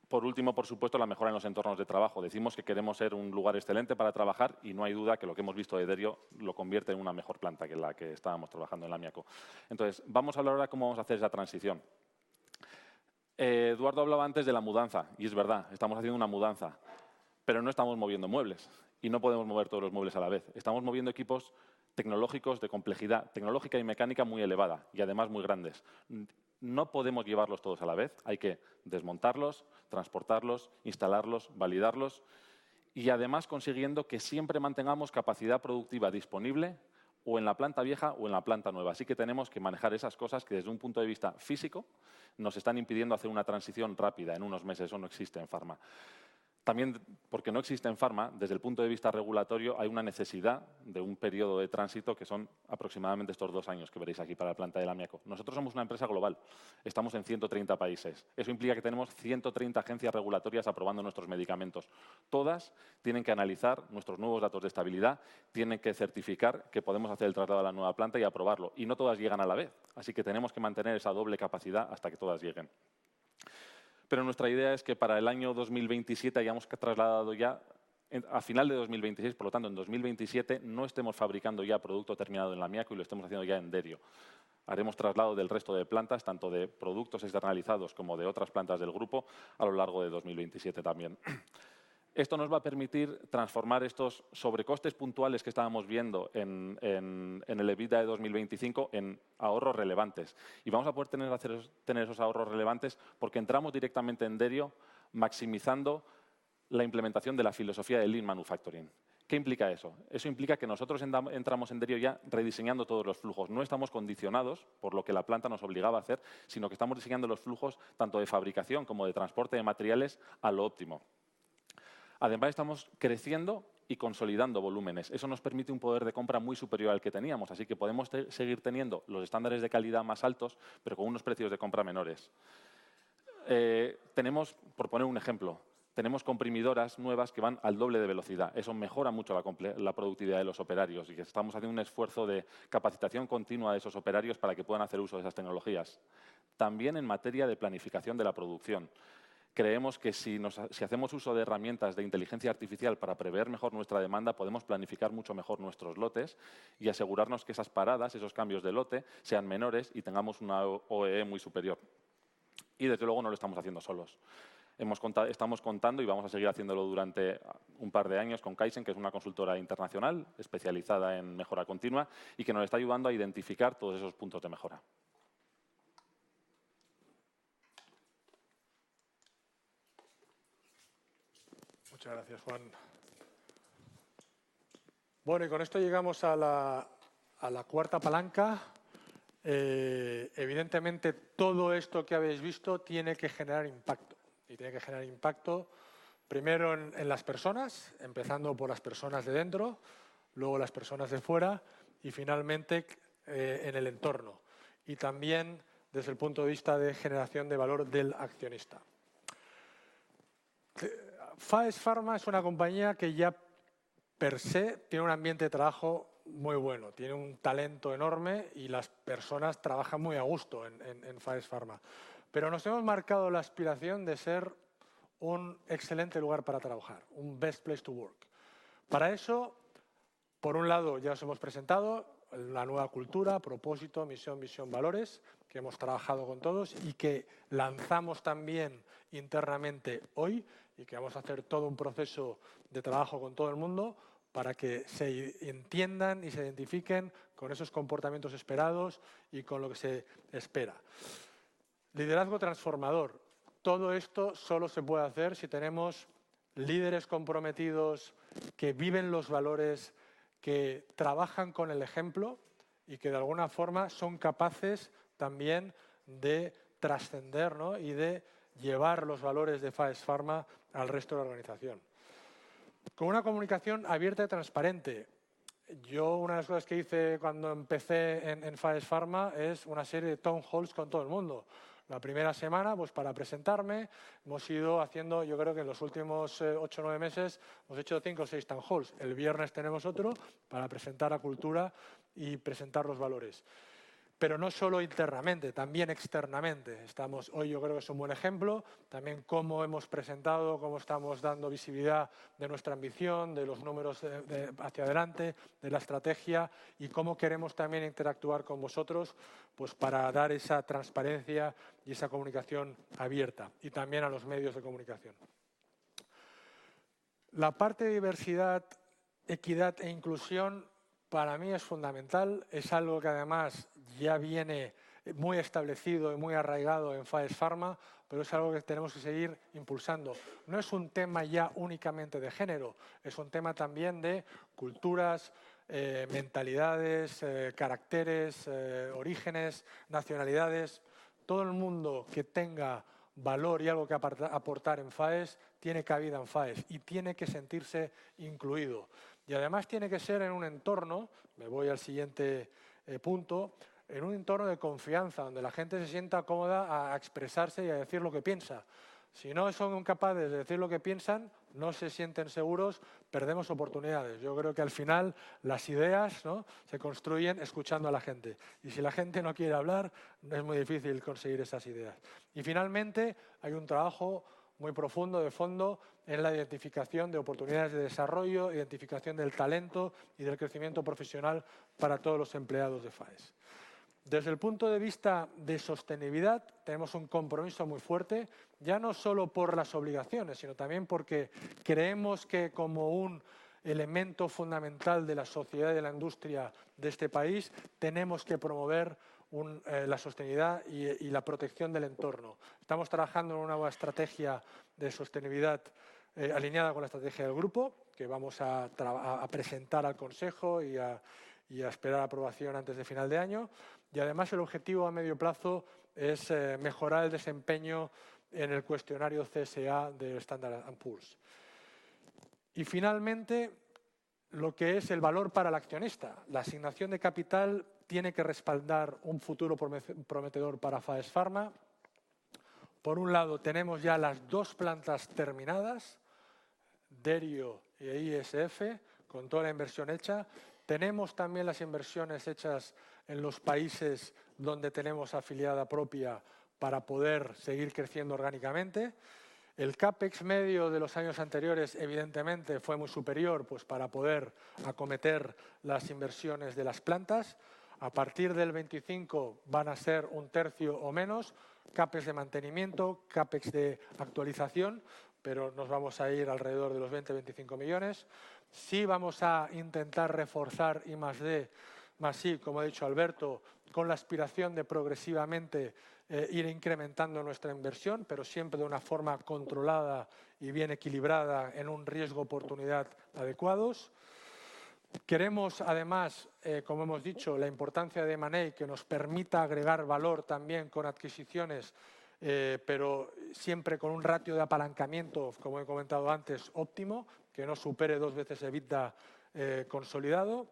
Por último, por supuesto, la mejora en los entornos de trabajo. Decimos que queremos ser un lugar excelente para trabajar y no hay duda que lo que hemos visto de Derio lo convierte en una mejor planta que la que estábamos trabajando en Lamiaco. Entonces, vamos a hablar ahora de cómo vamos a hacer esa transición. Eduardo hablaba antes de la mudanza y es verdad, estamos haciendo una mudanza, pero no estamos moviendo muebles y no podemos mover todos los muebles a la vez. Estamos moviendo equipos tecnológicos de complejidad tecnológica y mecánica muy elevada y además muy grandes. No podemos llevarlos todos a la vez, hay que desmontarlos, transportarlos, instalarlos, validarlos y además consiguiendo que siempre mantengamos capacidad productiva disponible o en la planta vieja o en la planta nueva. Así que tenemos que manejar esas cosas que, desde un punto de vista físico, nos están impidiendo hacer una transición rápida en unos meses, eso no existe en FARMA. También, porque no existe en FARMA, desde el punto de vista regulatorio hay una necesidad de un período de tránsito que son aproximadamente estos dos años que veréis aquí para la planta de Lamiaco. Nosotros somos una empresa global, estamos en 130 países. Eso implica que tenemos 130 agencias regulatorias aprobando nuestros medicamentos. Todas tienen que analizar nuestros nuevos datos de estabilidad, tienen que certificar que podemos hacer el traslado a la nueva planta y aprobarlo, y no todas llegan a la vez, así que tenemos que mantener esa doble capacidad hasta que todas lleguen. Pero nuestra idea es que para el año 2027 hayamos trasladado ya a final de 2026, por lo tanto, en 2027 no estemos fabricando ya producto terminado en Lamiaco y lo estemos haciendo ya en Derio. Haremos traslado del resto de plantas, tanto de productos externalizados como de otras plantas del grupo, a lo largo de 2027 también. Esto nos va a permitir transformar estos sobrecostes puntuales que estábamos viendo en el EBITDA de 2025 en ahorros relevantes. Y vamos a poder tener esos ahorros relevantes porque entramos directamente en Derio maximizando la implementación de la filosofía de Lean Manufacturing. ¿Qué implica eso? Eso implica que nosotros entramos en Derio ya rediseñando todos los flujos. No estamos condicionados por lo que la planta nos obligaba a hacer, sino que estamos diseñando los flujos tanto de fabricación como de transporte de materiales a lo óptimo. Además, estamos creciendo y consolidando volúmenes. Eso nos permite un poder de compra muy superior al que teníamos, así que podemos seguir teniendo los estándares de calidad más altos, pero con unos precios de compra menores. Tenemos, por poner un ejemplo, tenemos comprimidoras nuevas que van al doble de velocidad. Eso mejora mucho la productividad de los operarios y estamos haciendo un esfuerzo de capacitación continua de esos operarios para que puedan hacer uso de esas tecnologías. También en materia de planificación de la producción. Creemos que si hacemos uso de herramientas de inteligencia artificial para prever mejor nuestra demanda, podemos planificar mucho mejor nuestros lotes y asegurarnos que esas paradas, esos cambios de lote, sean menores y tengamos una OEE muy superior. Y desde luego no lo estamos haciendo solos. Estamos contando y vamos a seguir haciéndolo durante un par de años con Kaizen, que es una consultora internacional especializada en mejora continua y que nos está ayudando a identificar todos esos puntos de mejora. Muchas gracias, Juan. Bueno, y con esto llegamos a la cuarta palanca. Evidentemente, todo esto que habéis visto tiene que generar impacto y tiene que generar impacto primero en las personas, empezando por las personas de dentro, luego las personas de fuera y finalmente en el entorno. Y también desde el punto de vista de generación de valor del accionista. Faes Farma es una compañía que ya per se tiene un ambiente de trabajo muy bueno, tiene un talento enorme y las personas trabajan muy a gusto en Faes Farma. Pero nos hemos marcado la aspiración de ser un excelente lugar para trabajar, un best place to work. Para eso, por un lado, ya os hemos presentado la nueva cultura, propósito, misión, visión, valores, que hemos trabajado con todos y que lanzamos también internamente hoy y que vamos a hacer todo un proceso de trabajo con todo el mundo para que se entiendan y se identifiquen con esos comportamientos esperados y con lo que se espera. Liderazgo transformador. Todo esto solo se puede hacer si tenemos líderes comprometidos que viven los valores, que trabajan con el ejemplo y que de alguna forma son capaces también de trascender y de llevar los valores de Faes Farma al resto de la organización. Con una comunicación abierta y transparente. Una de las cosas que hice cuando empecé en Faes Farma es una serie de town halls con todo el mundo. La primera semana, para presentarme, hemos ido haciendo, creo que en los últimos ocho o nueve meses, hemos hecho cinco o seis town halls. El viernes tenemos otro para presentar la cultura y presentar los valores. Pero no solo internamente, también externamente. Hoy, creo que es un buen ejemplo, también cómo hemos presentado, cómo estamos dando visibilidad de nuestra ambición, de los números hacia adelante, de la estrategia y cómo queremos también interactuar con vosotros para dar esa transparencia y esa comunicación abierta y también a los medios de comunicación. La parte de diversidad, equidad e inclusión, para mí es fundamental. Es algo que además ya viene muy establecido y muy arraigado en Faes Farma, pero es algo que tenemos que seguir impulsando. No es un tema ya únicamente de género, es un tema también de culturas, mentalidades, caracteres, orígenes, nacionalidades. Todo el mundo que tenga valor y algo que aportar en Faes tiene cabida en Faes y tiene que sentirse incluido. Además tiene que ser en un entorno, me voy al siguiente punto, en un entorno de confianza, donde la gente se sienta cómoda a expresarse y a decir lo que piensa. Si no son capaces de decir lo que piensan, no se sienten seguros, perdemos oportunidades. Yo creo que al final las ideas se construyen escuchando a la gente. Si la gente no quiere hablar, es muy difícil conseguir esas ideas. Y finalmente, hay un trabajo muy profundo de fondo en la identificación de oportunidades de desarrollo, identificación del talento y del crecimiento profesional para todos los empleados de Faes. Desde el punto de vista de sostenibilidad, tenemos un compromiso muy fuerte, ya no solo por las obligaciones, sino también porque creemos que como un elemento fundamental de la sociedad y de la industria de este país, tenemos que promover la sostenibilidad y la protección del entorno. Estamos trabajando en una nueva estrategia de sostenibilidad alineada con la estrategia del grupo, que vamos a presentar al consejo y a esperar aprobación antes de final de año. Además, el objetivo a medio plazo es mejorar el desempeño en el cuestionario CSA del Standard and Poor's. Finalmente, lo que es el valor para el accionista. La asignación de capital tiene que respaldar un futuro prometedor para Faes Farma. Por un lado, tenemos ya las dos plantas terminadas, Derio e ISF, con toda la inversión hecha. Tenemos también las inversiones hechas en los países donde tenemos afiliada propia para poder seguir creciendo orgánicamente. El CAPEX medio de los años anteriores, evidentemente, fue muy superior para poder acometer las inversiones de las plantas. A partir del 25, van a ser un tercio o menos. CAPEX de mantenimiento, CAPEX de actualización, pero nos vamos a ir alrededor de los €20-25 millones. Sí vamos a intentar reforzar I+D+I, como ha dicho Alberto, con la aspiración de progresivamente ir incrementando nuestra inversión, pero siempre de una forma controlada y bien equilibrada en un riesgo-oportunidad adecuados. Queremos, además, como hemos dicho, la importancia de M&A que nos permita agregar valor también con adquisiciones, pero siempre con un ratio de apalancamiento, como he comentado antes, óptimo, que no supere dos veces EBITDA consolidado.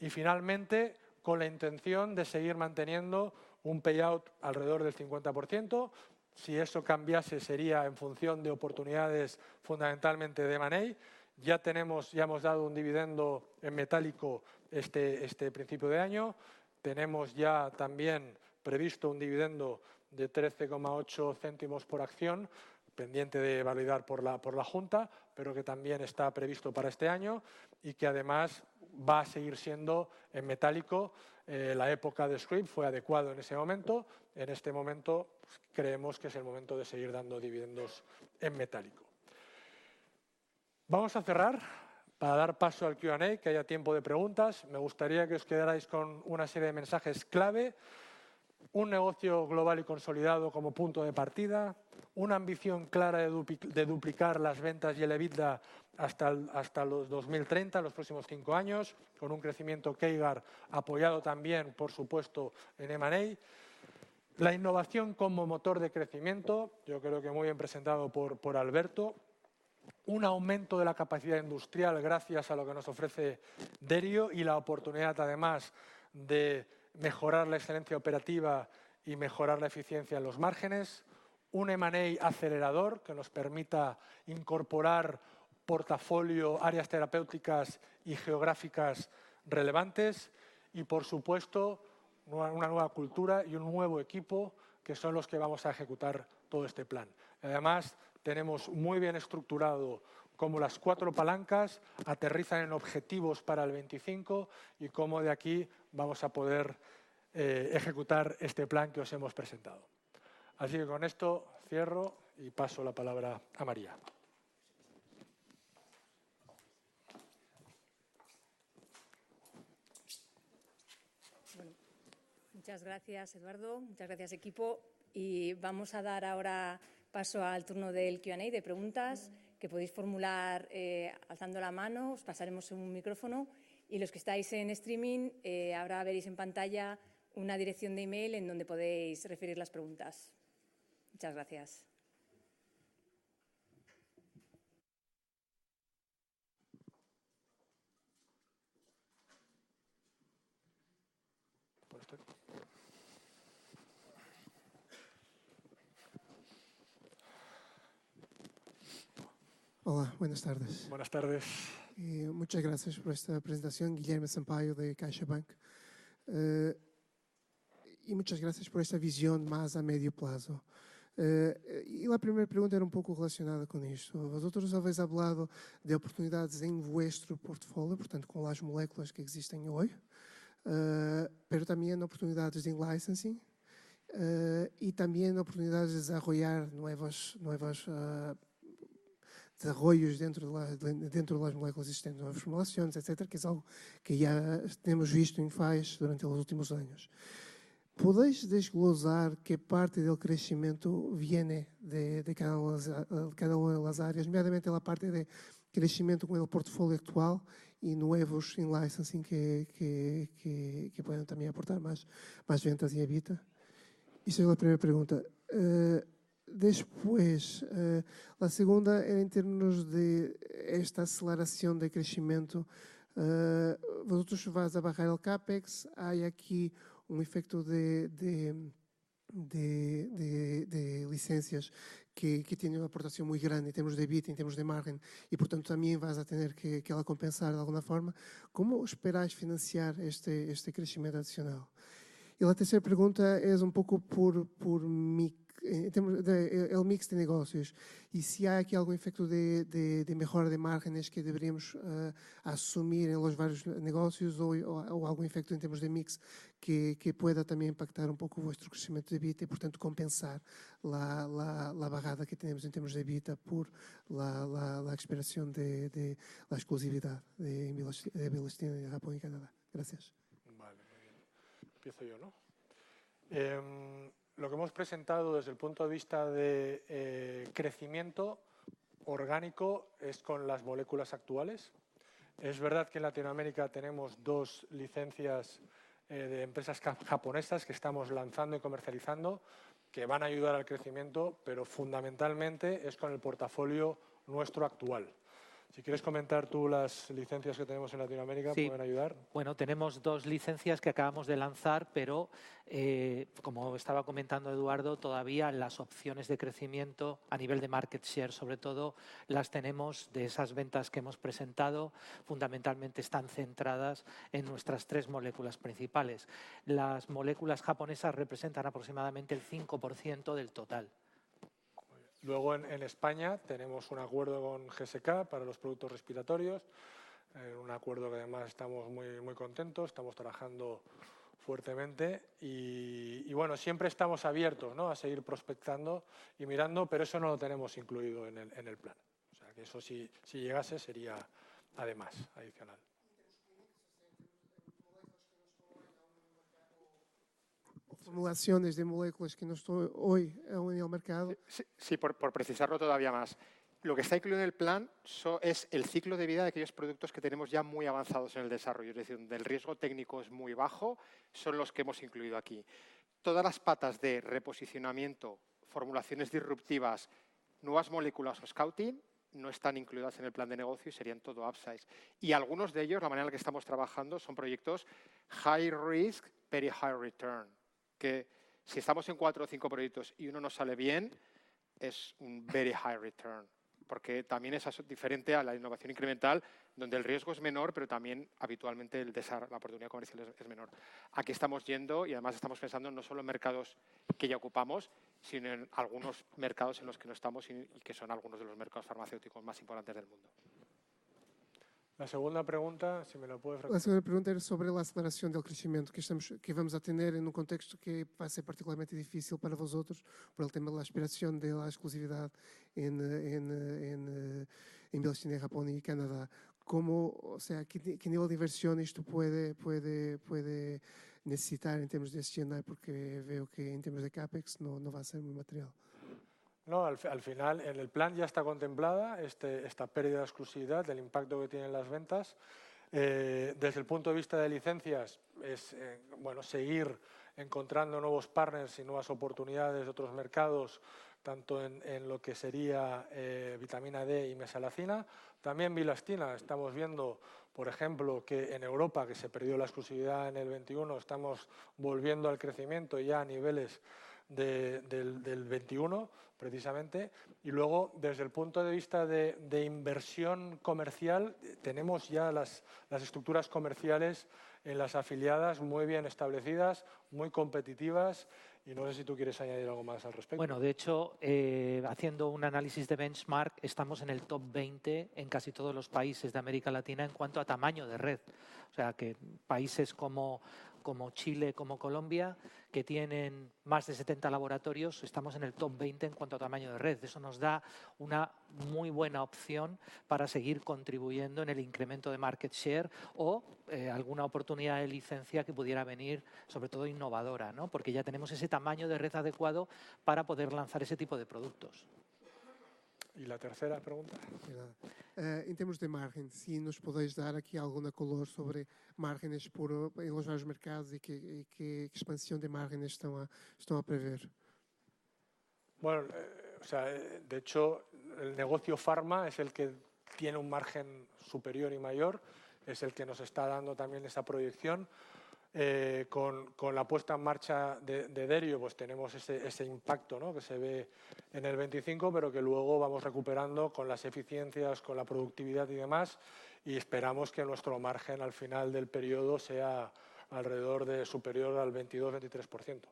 Y finalmente, con la intención de seguir manteniendo un payout alrededor del 50%. Si eso cambiase, sería en función de oportunidades, fundamentalmente de M&A. Ya hemos dado un dividendo en metálico este principio de año. Tenemos ya también previsto un dividendo de 13,8 céntimos por acción, pendiente de validar por la junta, pero que también está previsto para este año y que además va a seguir siendo en metálico. La época de scrip fue adecuada en ese momento. En este momento, creemos que es el momento de seguir dando dividendos en metálico. Vamos a cerrar para dar paso al Q&A, que haya tiempo de preguntas. Me gustaría que os quedarais con una serie de mensajes clave: un negocio global y consolidado como punto de partida, una ambición clara de duplicar las ventas y el EBITDA hasta 2030, los próximos cinco años, con un crecimiento CAGR apoyado también, por supuesto, en M&A. La innovación como motor de crecimiento, yo creo que muy bien presentado por Alberto. Un aumento de la capacidad industrial gracias a lo que nos ofrece Derio y la oportunidad, además, de mejorar la excelencia operativa y mejorar la eficiencia en los márgenes. Un M&A acelerador que nos permita incorporar portafolio, áreas terapéuticas y geográficas relevantes. Y, por supuesto, una nueva cultura y un nuevo equipo que son los que vamos a ejecutar todo este plan. Además, tenemos muy bien estructurado cómo las cuatro palancas aterrizan en objetivos para el 25 y cómo de aquí vamos a poder ejecutar este plan que os hemos presentado. Así que con esto cierro y paso la palabra a María. Muchas gracias, Eduardo. Muchas gracias, equipo. Vamos a dar ahora paso al turno del Q&A, de preguntas, que podéis formular alzando la mano. Os pasaremos un micrófono. Los que estáis en streaming, ahora veréis en pantalla una dirección de email en donde podéis referir las preguntas. Muchas gracias. Hola, buenas tardes. Buenas tardes. Muchas gracias por esta presentación. Guillermo Sampaio de CaixaBank. Muchas gracias por esta visión más a medio plazo. La primera pregunta era un poco relacionada con esto. Vosotros habéis hablado de oportunidades en vuestro portfolio, por tanto, con las moléculas que existen hoy, pero también oportunidades de licensing y también oportunidades de desarrollar nuevos desarrollos dentro de las moléculas existentes, nuevas formulaciones, etcétera, que es algo que ya tenemos visto en Faes durante los últimos años. ¿Podéis desglosar qué parte del crecimiento viene de cada una de las áreas, medianamente la parte de crecimiento con el portfolio actual y nuevos en licensing que pueden también aportar más ventas y EBITDA? Esa es la primera pregunta. Después, la segunda era en términos de esta aceleración de crecimiento. Vosotros vais a bajar el CAPEX. Hay aquí un efecto de licencias que tiene una aportación muy grande en términos de EBITDA, en términos de margen y, por tanto, también vais a tener que compensar de alguna forma. ¿Cómo esperáis financiar este crecimiento adicional? Y la tercera pregunta es un poco por el mix de negocios. Y si hay aquí algún efecto de mejora de márgenes que deberíamos asumir en los varios negocios o algún efecto en términos de mix que pueda también impactar un poco vuestro crecimiento de EBITDA y, por tanto, compensar la bajada que tenemos en términos de EBITDA por la expiración de la exclusividad de Brasil, Japón y Canadá. Gracias. Vale, muy bien. Empiezo yo, ¿no? Lo que hemos presentado desde el punto de vista de crecimiento orgánico es con las moléculas actuales. Es verdad que en Latinoamérica tenemos dos licencias de empresas japonesas que estamos lanzando y comercializando, que van a ayudar al crecimiento, pero fundamentalmente es con el portafolio nuestro actual. Si quieres comentar tú las licencias que tenemos en Latinoamérica, ¿pueden ayudar? Sí. Bueno, tenemos dos licencias que acabamos de lanzar, pero como estaba comentando Eduardo, todavía las opciones de crecimiento a nivel de market share, sobre todo, las tenemos de esas ventas que hemos presentado. Fundamentalmente están centradas en nuestras tres moléculas principales. Las moléculas japonesas representan aproximadamente el 5% del total. Luego, en España tenemos un acuerdo con GSK para los productos respiratorios, un acuerdo que además estamos muy contentos, estamos trabajando fuertemente y, bueno, siempre estamos abiertos a seguir prospectando y mirando, pero eso no lo tenemos incluido en el plan. O sea, que eso si llegase sería además adicional. Formulaciones de moléculas que no están hoy aún en el mercado. Sí, por precisarlo todavía más. Lo que está incluido en el plan es el ciclo de vida de aquellos productos que tenemos ya muy avanzados en el desarrollo. Es decir, donde el riesgo técnico es muy bajo, son los que hemos incluido aquí. Todas las patas de reposicionamiento, formulaciones disruptivas, nuevas moléculas o scouting, no están incluidas en el plan de negocio y serían todo upsize. Algunos de ellos, la manera en la que estamos trabajando, son proyectos high risk, very high return. Si estamos en cuatro o cinco proyectos y uno no sale bien, es un very high return, porque también es diferente a la innovación incremental, donde el riesgo es menor, pero también habitualmente la oportunidad comercial es menor. Aquí estamos yendo y además estamos pensando no solo en mercados que ya ocupamos, sino en algunos mercados en los que no estamos y que son algunos de los mercados farmacéuticos más importantes del mundo. La segunda pregunta, si me la puedes repetir. La segunda pregunta es sobre la aceleración del crecimiento, que vamos a tener en un contexto que va a ser particularmente difícil para vosotros, por el tema de la aspiración de la exclusividad en Brasil, Japón y Canadá. ¿Qué nivel de inversión esto puede necesitar en términos de C&I? Porque veo que en términos de CAPEX no va a ser muy material. No, al final en el plan ya está contemplada esta pérdida de exclusividad, del impacto que tienen las ventas. Desde el punto de vista de licencias, es seguir encontrando nuevos partners y nuevas oportunidades de otros mercados, tanto en lo que sería vitamina D y mesalazina. También vilastina estamos viendo, por ejemplo, que en Europa, que se perdió la exclusividad en el 21, estamos volviendo al crecimiento ya a niveles del 21, precisamente. Y luego, desde el punto de vista de inversión comercial, tenemos ya las estructuras comerciales en las afiliadas muy bien establecidas, muy competitivas, y no sé si tú quieres añadir algo más al respecto. Bueno, de hecho, haciendo un análisis de benchmark, estamos en el top 20 en casi todos los países de América Latina en cuanto a tamaño de red. O sea, que países como Chile, como Colombia, que tienen más de 70 laboratorios, estamos en el top 20 en cuanto a tamaño de red. Eso nos da una muy buena opción para seguir contribuyendo en el incremento de market share o alguna oportunidad de licencia que pudiera venir, sobre todo innovadora, porque ya tenemos ese tamaño de red adecuado para poder lanzar ese tipo de productos. Y la tercera pregunta. En términos de márgenes, si nos podéis dar aquí algún color sobre márgenes en los nuevos mercados y qué expansión de márgenes están a prever. Bueno, o sea, de hecho, el negocio farma es el que tiene un margen superior y mayor, es el que nos está dando también esa proyección. Con la puesta en marcha de Derio, tenemos ese impacto que se ve en el 25, pero que luego vamos recuperando con las eficiencias, con la productividad y demás, y esperamos que nuestro margen al final del periodo sea alrededor de superior al 22, 23%.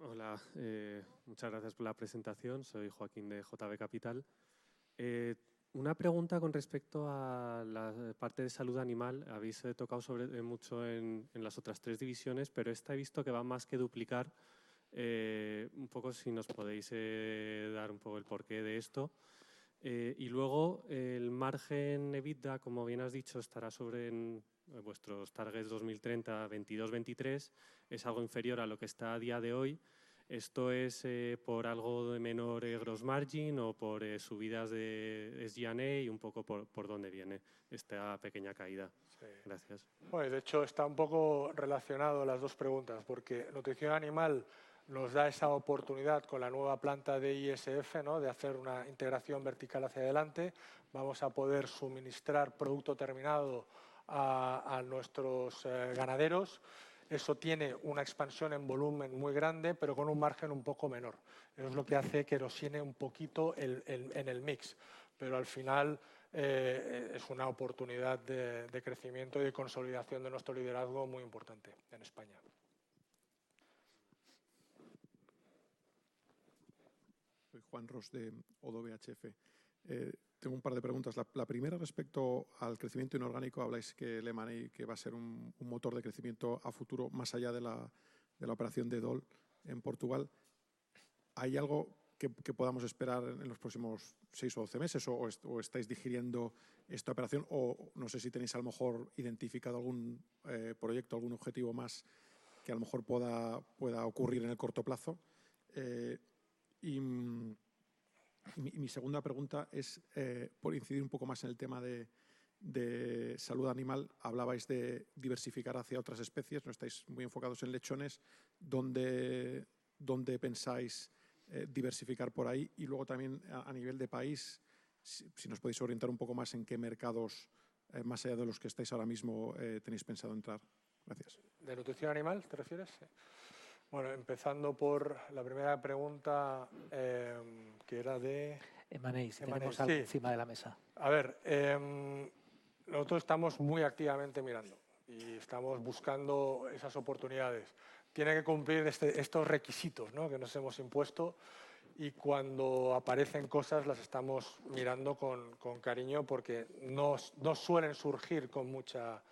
Gracias. Hola, muchas gracias por la presentación. Soy Joaquín de JB Capital. Una pregunta con respecto a la parte de salud animal. Habéis tocado mucho en las otras tres divisiones, pero esta he visto que va más que duplicar. Un poco si nos podéis dar un poco el porqué de esto. Y luego, el margen EBITDA, como bien has dicho, estará sobre vuestros targets 2030, 22%, 23%. Es algo inferior a lo que está a día de hoy. Esto es por algo de menor gross margin o por subidas de SG&A y un poco por dónde viene esta pequeña caída. Gracias. De hecho, está un poco relacionado las dos preguntas, porque nutrición animal nos da esa oportunidad con la nueva planta de ISF de hacer una integración vertical hacia adelante. Vamos a poder suministrar producto terminado a nuestros ganaderos. Eso tiene una expansión en volumen muy grande, pero con un margen un poco menor. Es lo que hace que nos llene un poquito en el mix. Pero al final es una oportunidad de crecimiento y de consolidación de nuestro liderazgo muy importante en España. Soy Juan Ros de Odo BHF. Tengo un par de preguntas. La primera respecto al crecimiento inorgánico, habláis que el M&A va a ser un motor de crecimiento a futuro más allá de la operación de DOL en Portugal. ¿Hay algo que podamos esperar en los próximos seis o doce meses o estáis digiriendo esta operación? No sé si tenéis identificado algún proyecto, algún objetivo más que pueda ocurrir en el corto plazo. Mi segunda pregunta es, por incidir un poco más en el tema de salud animal, habláis de diversificar hacia otras especies, no estáis muy enfocados en lechones. ¿Dónde pensáis diversificar? Luego también a nivel de país, si nos podéis orientar un poco más en qué mercados, más allá de los que estáis ahora mismo, tenéis pensado entrar. Gracias. ¿De nutrición animal te refieres? Bueno, empezando por la primera pregunta, que era de M&A que está encima de la mesa. A ver, nosotros estamos muy activamente mirando y estamos buscando esas oportunidades. Tiene que cumplir estos requisitos que nos hemos impuesto y cuando aparecen cosas las estamos mirando con cariño porque no suelen surgir con mucha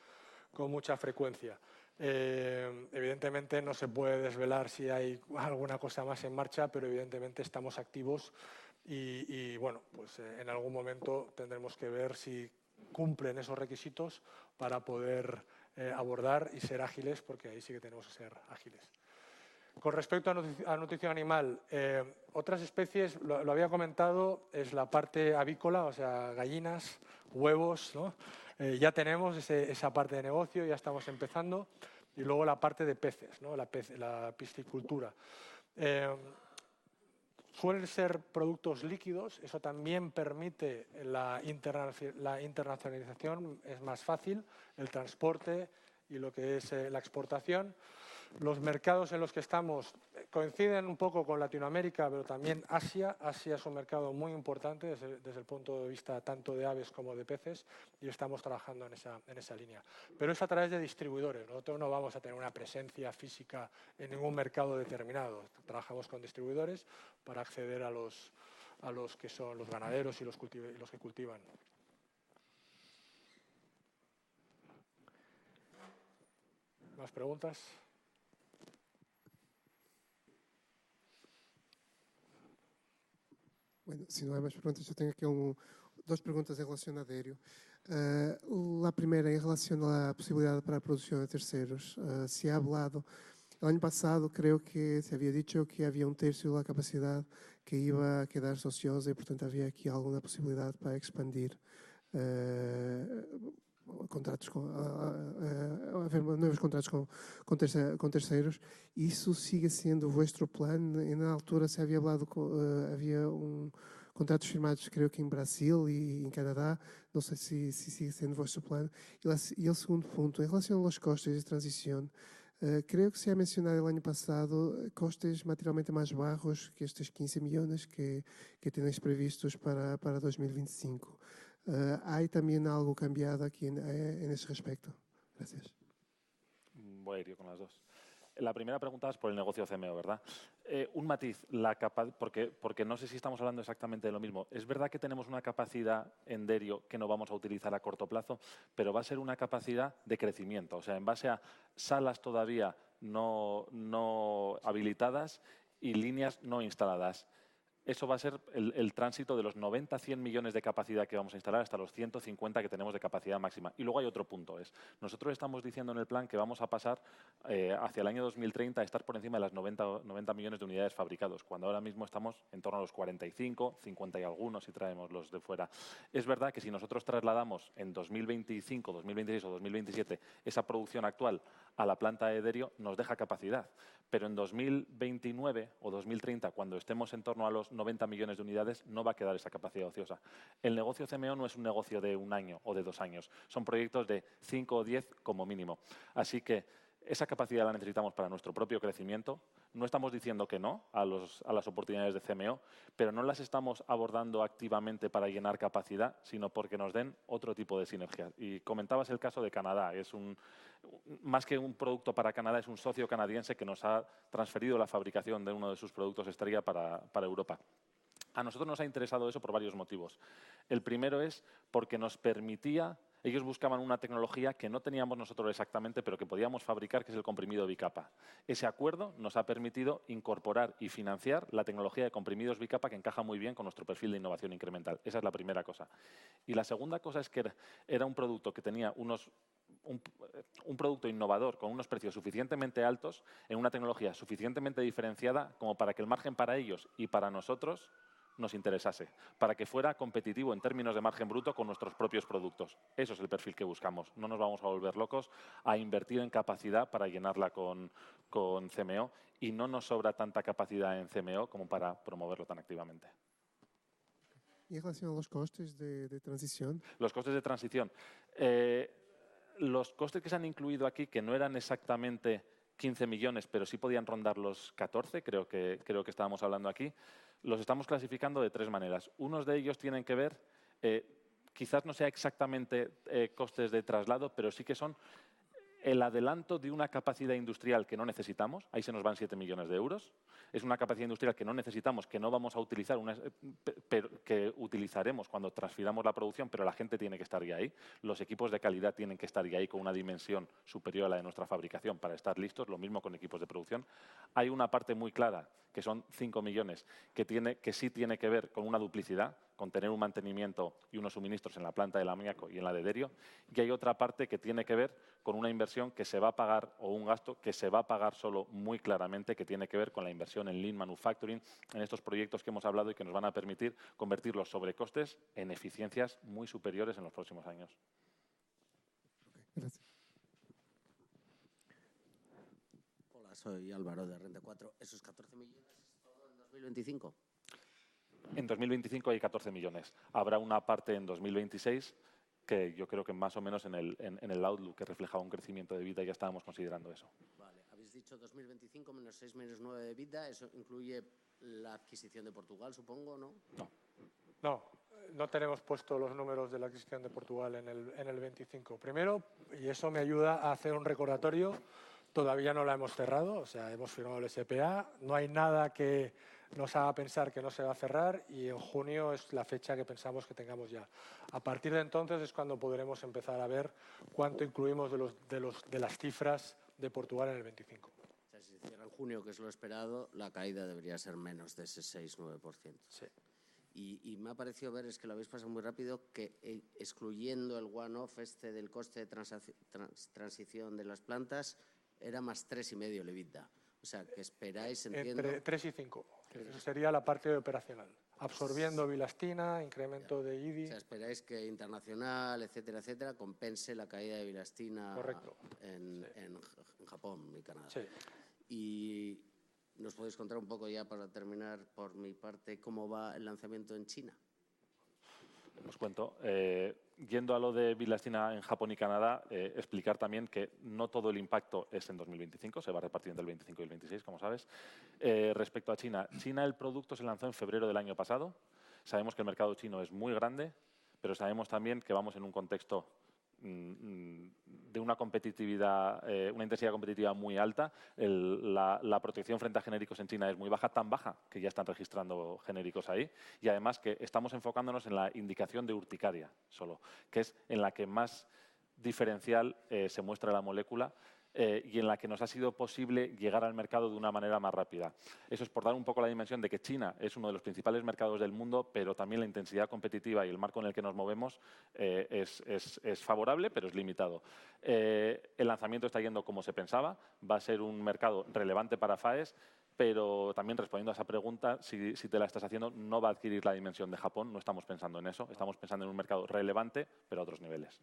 frecuencia. Evidentemente no se puede desvelar si hay alguna cosa más en marcha, pero evidentemente estamos activos y en algún momento tendremos que ver si cumplen esos requisitos para poder abordar y ser ágiles, porque ahí sí que tenemos que ser ágiles. Con respecto a nutrición animal, otras especies, lo había comentado, es la parte avícola, o sea, gallinas, huevos, ya tenemos esa parte de negocio, ya estamos empezando, y luego la parte de peces, la piscicultura. Suelen ser productos líquidos, eso también permite la internacionalización, es más fácil el transporte y lo que es la exportación. Los mercados en los que estamos coinciden un poco con Latinoamérica, pero también Asia. Asia es un mercado muy importante desde el punto de vista tanto de aves como de peces y estamos trabajando en esa línea. Pero es a través de distribuidores, nosotros no vamos a tener una presencia física en ningún mercado determinado, trabajamos con distribuidores para acceder a los que son los ganaderos y los que cultivan. ¿Más preguntas? Bueno, si no hay más preguntas, yo tengo aquí dos preguntas en relación a Derio. La primera en relación a la posibilidad para producción de terceros. Se ha hablado, el año pasado creo que se había dicho que había un tercio de la capacidad que iba a quedar ociosa y, por tanto, había aquí alguna posibilidad para expandir contratos con terceros. ¿Y eso sigue siendo vuestro plan? En la altura se había hablado de contratos firmados, creo que en Brasil y en Canadá, no sé si sigue siendo vuestro plan. El segundo punto, en relación a los costes de transición, creo que se ha mencionado el año pasado costes materialmente más bajos que estos €15 millones que tenéis previstos para 2025. ¿Hay también algo cambiado aquí en ese respecto? Gracias. Bueno, yo con las dos. La primera pregunta es por el negocio CMO, ¿verdad? Un matiz, porque no sé si estamos hablando exactamente de lo mismo. Es verdad que tenemos una capacidad en Derio que no vamos a utilizar a corto plazo, pero va a ser una capacidad de crecimiento. O sea, en base a salas todavía no habilitadas y líneas no instaladas. Eso va a ser el tránsito de los 90 a 100 millones de capacidad que vamos a instalar hasta los 150 que tenemos de capacidad máxima. Y luego hay otro punto: nosotros estamos diciendo en el plan que vamos a pasar hacia el año 2030 a estar por encima de las 90 millones de unidades fabricadas, cuando ahora mismo estamos en torno a los 45, 50 y algunos si traemos los de fuera. Es verdad que si nosotros trasladamos en 2025, 2026 o 2027 esa producción actual a la planta de Derio, nos deja capacidad, pero en 2029 o 2030, cuando estemos en torno a los 90 millones de unidades, no va a quedar esa capacidad ociosa. El negocio CMO no es un negocio de un año o de dos años, son proyectos de cinco o diez como mínimo. Así que esa capacidad la necesitamos para nuestro propio crecimiento, no estamos diciendo que no a las oportunidades de CMO, pero no las estamos abordando activamente para llenar capacidad, sino porque nos den otro tipo de sinergia. Y comentabas el caso de Canadá, más que un producto para Canadá, es un socio canadiense que nos ha transferido la fabricación de uno de sus productos estrella para Europa. A nosotros nos ha interesado eso por varios motivos. El primero es porque nos permitía, ellos buscaban una tecnología que no teníamos nosotros exactamente, pero que podíamos fabricar, que es el comprimido bicapa. Ese acuerdo nos ha permitido incorporar y financiar la tecnología de comprimidos bicapa que encaja muy bien con nuestro perfil de innovación incremental. Esa es la primera cosa. Y la segunda cosa es que era un producto que tenía un producto innovador con unos precios suficientemente altos, en una tecnología suficientemente diferenciada como para que el margen para ellos y para nosotros nos interesara, para que fuera competitivo en términos de margen bruto con nuestros propios productos. Ese es el perfil que buscamos, no nos vamos a volver locos a invertir en capacidad para llenarla con CMO y no nos sobra tanta capacidad en CMO como para promoverlo tan activamente. En relación a los costes de transición, los costes que se han incluido aquí, que no eran exactamente 15 millones, pero sí podían rondar los 14, creo que estábamos hablando aquí, los estamos clasificando de tres maneras. Unos de ellos tienen que ver, quizás no sea exactamente costes de traslado, pero sí que son el adelanto de una capacidad industrial que no necesitamos, ahí se nos van €7 millones. Es una capacidad industrial que no necesitamos, que no vamos a utilizar, que utilizaremos cuando transfiramos la producción, pero la gente tiene que estar ya ahí. Los equipos de calidad tienen que estar ya ahí con una dimensión superior a la de nuestra fabricación para estar listos, lo mismo con equipos de producción. Hay una parte muy clara, que son €5 millones, que sí tiene que ver con una duplicidad, con tener un mantenimiento y unos suministros en la planta del amoníaco y en la de Derio. Y hay otra parte que tiene que ver con una inversión que se va a pagar o un gasto que se va a pagar solo muy claramente, que tiene que ver con la inversión en Lean Manufacturing, en estos proyectos que hemos hablado y que nos van a permitir convertir los sobrecostes en eficiencias muy superiores en los próximos años. Gracias. Hola, soy Álvaro de Renta 4. ¿Esos €14 millones se estorban en 2025? En 2025 hay €14 millones. Habrá una parte en 2026, que yo creo que más o menos en el outlook que reflejaba un crecimiento de EBITDA ya estábamos considerando eso. Vale. Habéis dicho 2025 menos 6 menos 9 de EBITDA, eso incluye la adquisición de Portugal, supongo, ¿no? No. No tenemos puestos los números de la adquisición de Portugal en el 25. Primero, y eso me ayuda a hacer un recordatorio, todavía no la hemos cerrado, o sea, hemos firmado el SPA, no hay nada que nos haga pensar que no se va a cerrar y en junio es la fecha que pensamos que tengamos ya. A partir de entonces es cuando podremos empezar a ver cuánto incluimos de las cifras de Portugal en el 25. O sea, si se cierra en junio, que es lo esperado, la caída debería ser menos de ese 6,9%. Sí. Y me ha parecido ver, es que lo habéis pasado muy rápido, que excluyendo el one-off este del coste de transición de las plantas, era más 3,5% el EBITDA. O sea, que esperáis, entiendo. 3,5%. Eso sería la parte operacional. Absorbiendo Vilastina, incremento de EBITDA. O sea, esperáis que internacional, etcétera, etcétera, compense la caída de Vilastina en Japón y Canadá. Sí. Y nos podéis contar un poco ya para terminar por mi parte, ¿cómo va el lanzamiento en China? Os cuento. Yendo a lo de bilastina en Japón y Canadá, explicar también que no todo el impacto es en 2025, se va repartiendo entre el 25 y el 26, como sabes. Respecto a China, China el producto se lanzó en febrero del año pasado. Sabemos que el mercado chino es muy grande, pero sabemos también que vamos en un contexto de una intensidad competitiva muy alta. La protección frente a genéricos en China es muy baja, tan baja que ya están registrando genéricos ahí. Además estamos enfocándonos en la indicación de urticaria solo, que es en la que más diferencial se muestra la molécula y en la que nos ha sido posible llegar al mercado de una manera más rápida. Eso es para dar un poco la dimensión de que China es uno de los principales mercados del mundo, pero también la intensidad competitiva y el marco en el que nos movemos es favorable, pero es limitado. El lanzamiento está yendo como se pensaba, va a ser un mercado relevante para FAES, pero también respondiendo a esa pregunta, si te la estás haciendo, no va a adquirir la dimensión de Japón, no estamos pensando en eso, estamos pensando en un mercado relevante, pero a otros niveles.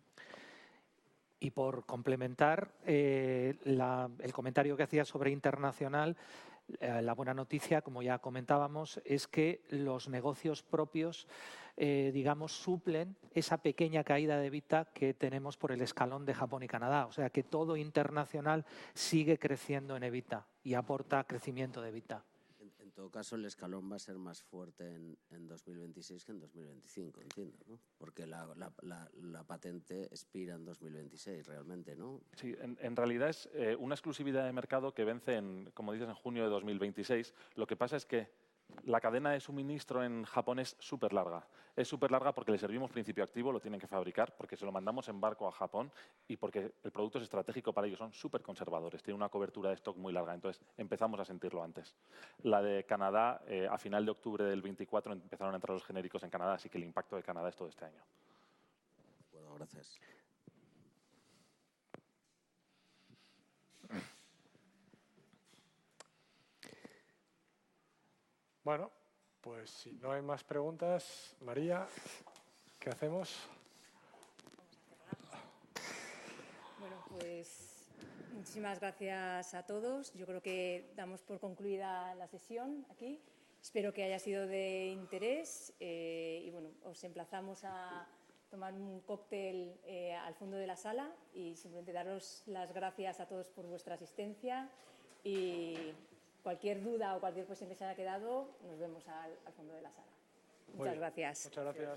Para complementar el comentario que hacías sobre internacional, la buena noticia, como ya comentábamos, es que los negocios propios suplen esa pequeña caída de EBITDA que tenemos por el escalón de Japón y Canadá. O sea, que todo internacional sigue creciendo en EBITDA y aporta crecimiento de EBITDA. En todo caso, el escalón va a ser más fuerte en 2026 que en 2025, entiendo, ¿no? Porque la patente expira en 2026 realmente, ¿no? Sí, en realidad es una exclusividad de mercado que vence, como dices, en junio de 2026. Lo que pasa es que la cadena de suministro en Japón es súper larga. Es súper larga porque le servimos principio activo, lo tienen que fabricar, porque se lo mandamos en barco a Japón y porque el producto es estratégico para ellos, son súper conservadores, tienen una cobertura de stock muy larga, entonces empezamos a sentirlo antes. La de Canadá, a final de octubre del 24, empezaron a entrar los genéricos en Canadá, así que el impacto de Canadá es todo este año. Gracias. Si no hay más preguntas, María, ¿qué hacemos? Vamos a cerrar. Muchísimas gracias a todos. Yo creo que damos por concluida la sesión aquí. Espero que haya sido de interés y os emplazamos a tomar un cóctel al fondo de la sala y simplemente daros las gracias a todos por vuestra asistencia. Y cualquier duda o cualquier cuestión que se haya quedado, nos vemos al fondo de la sala. Muchas gracias. Muchas gracias.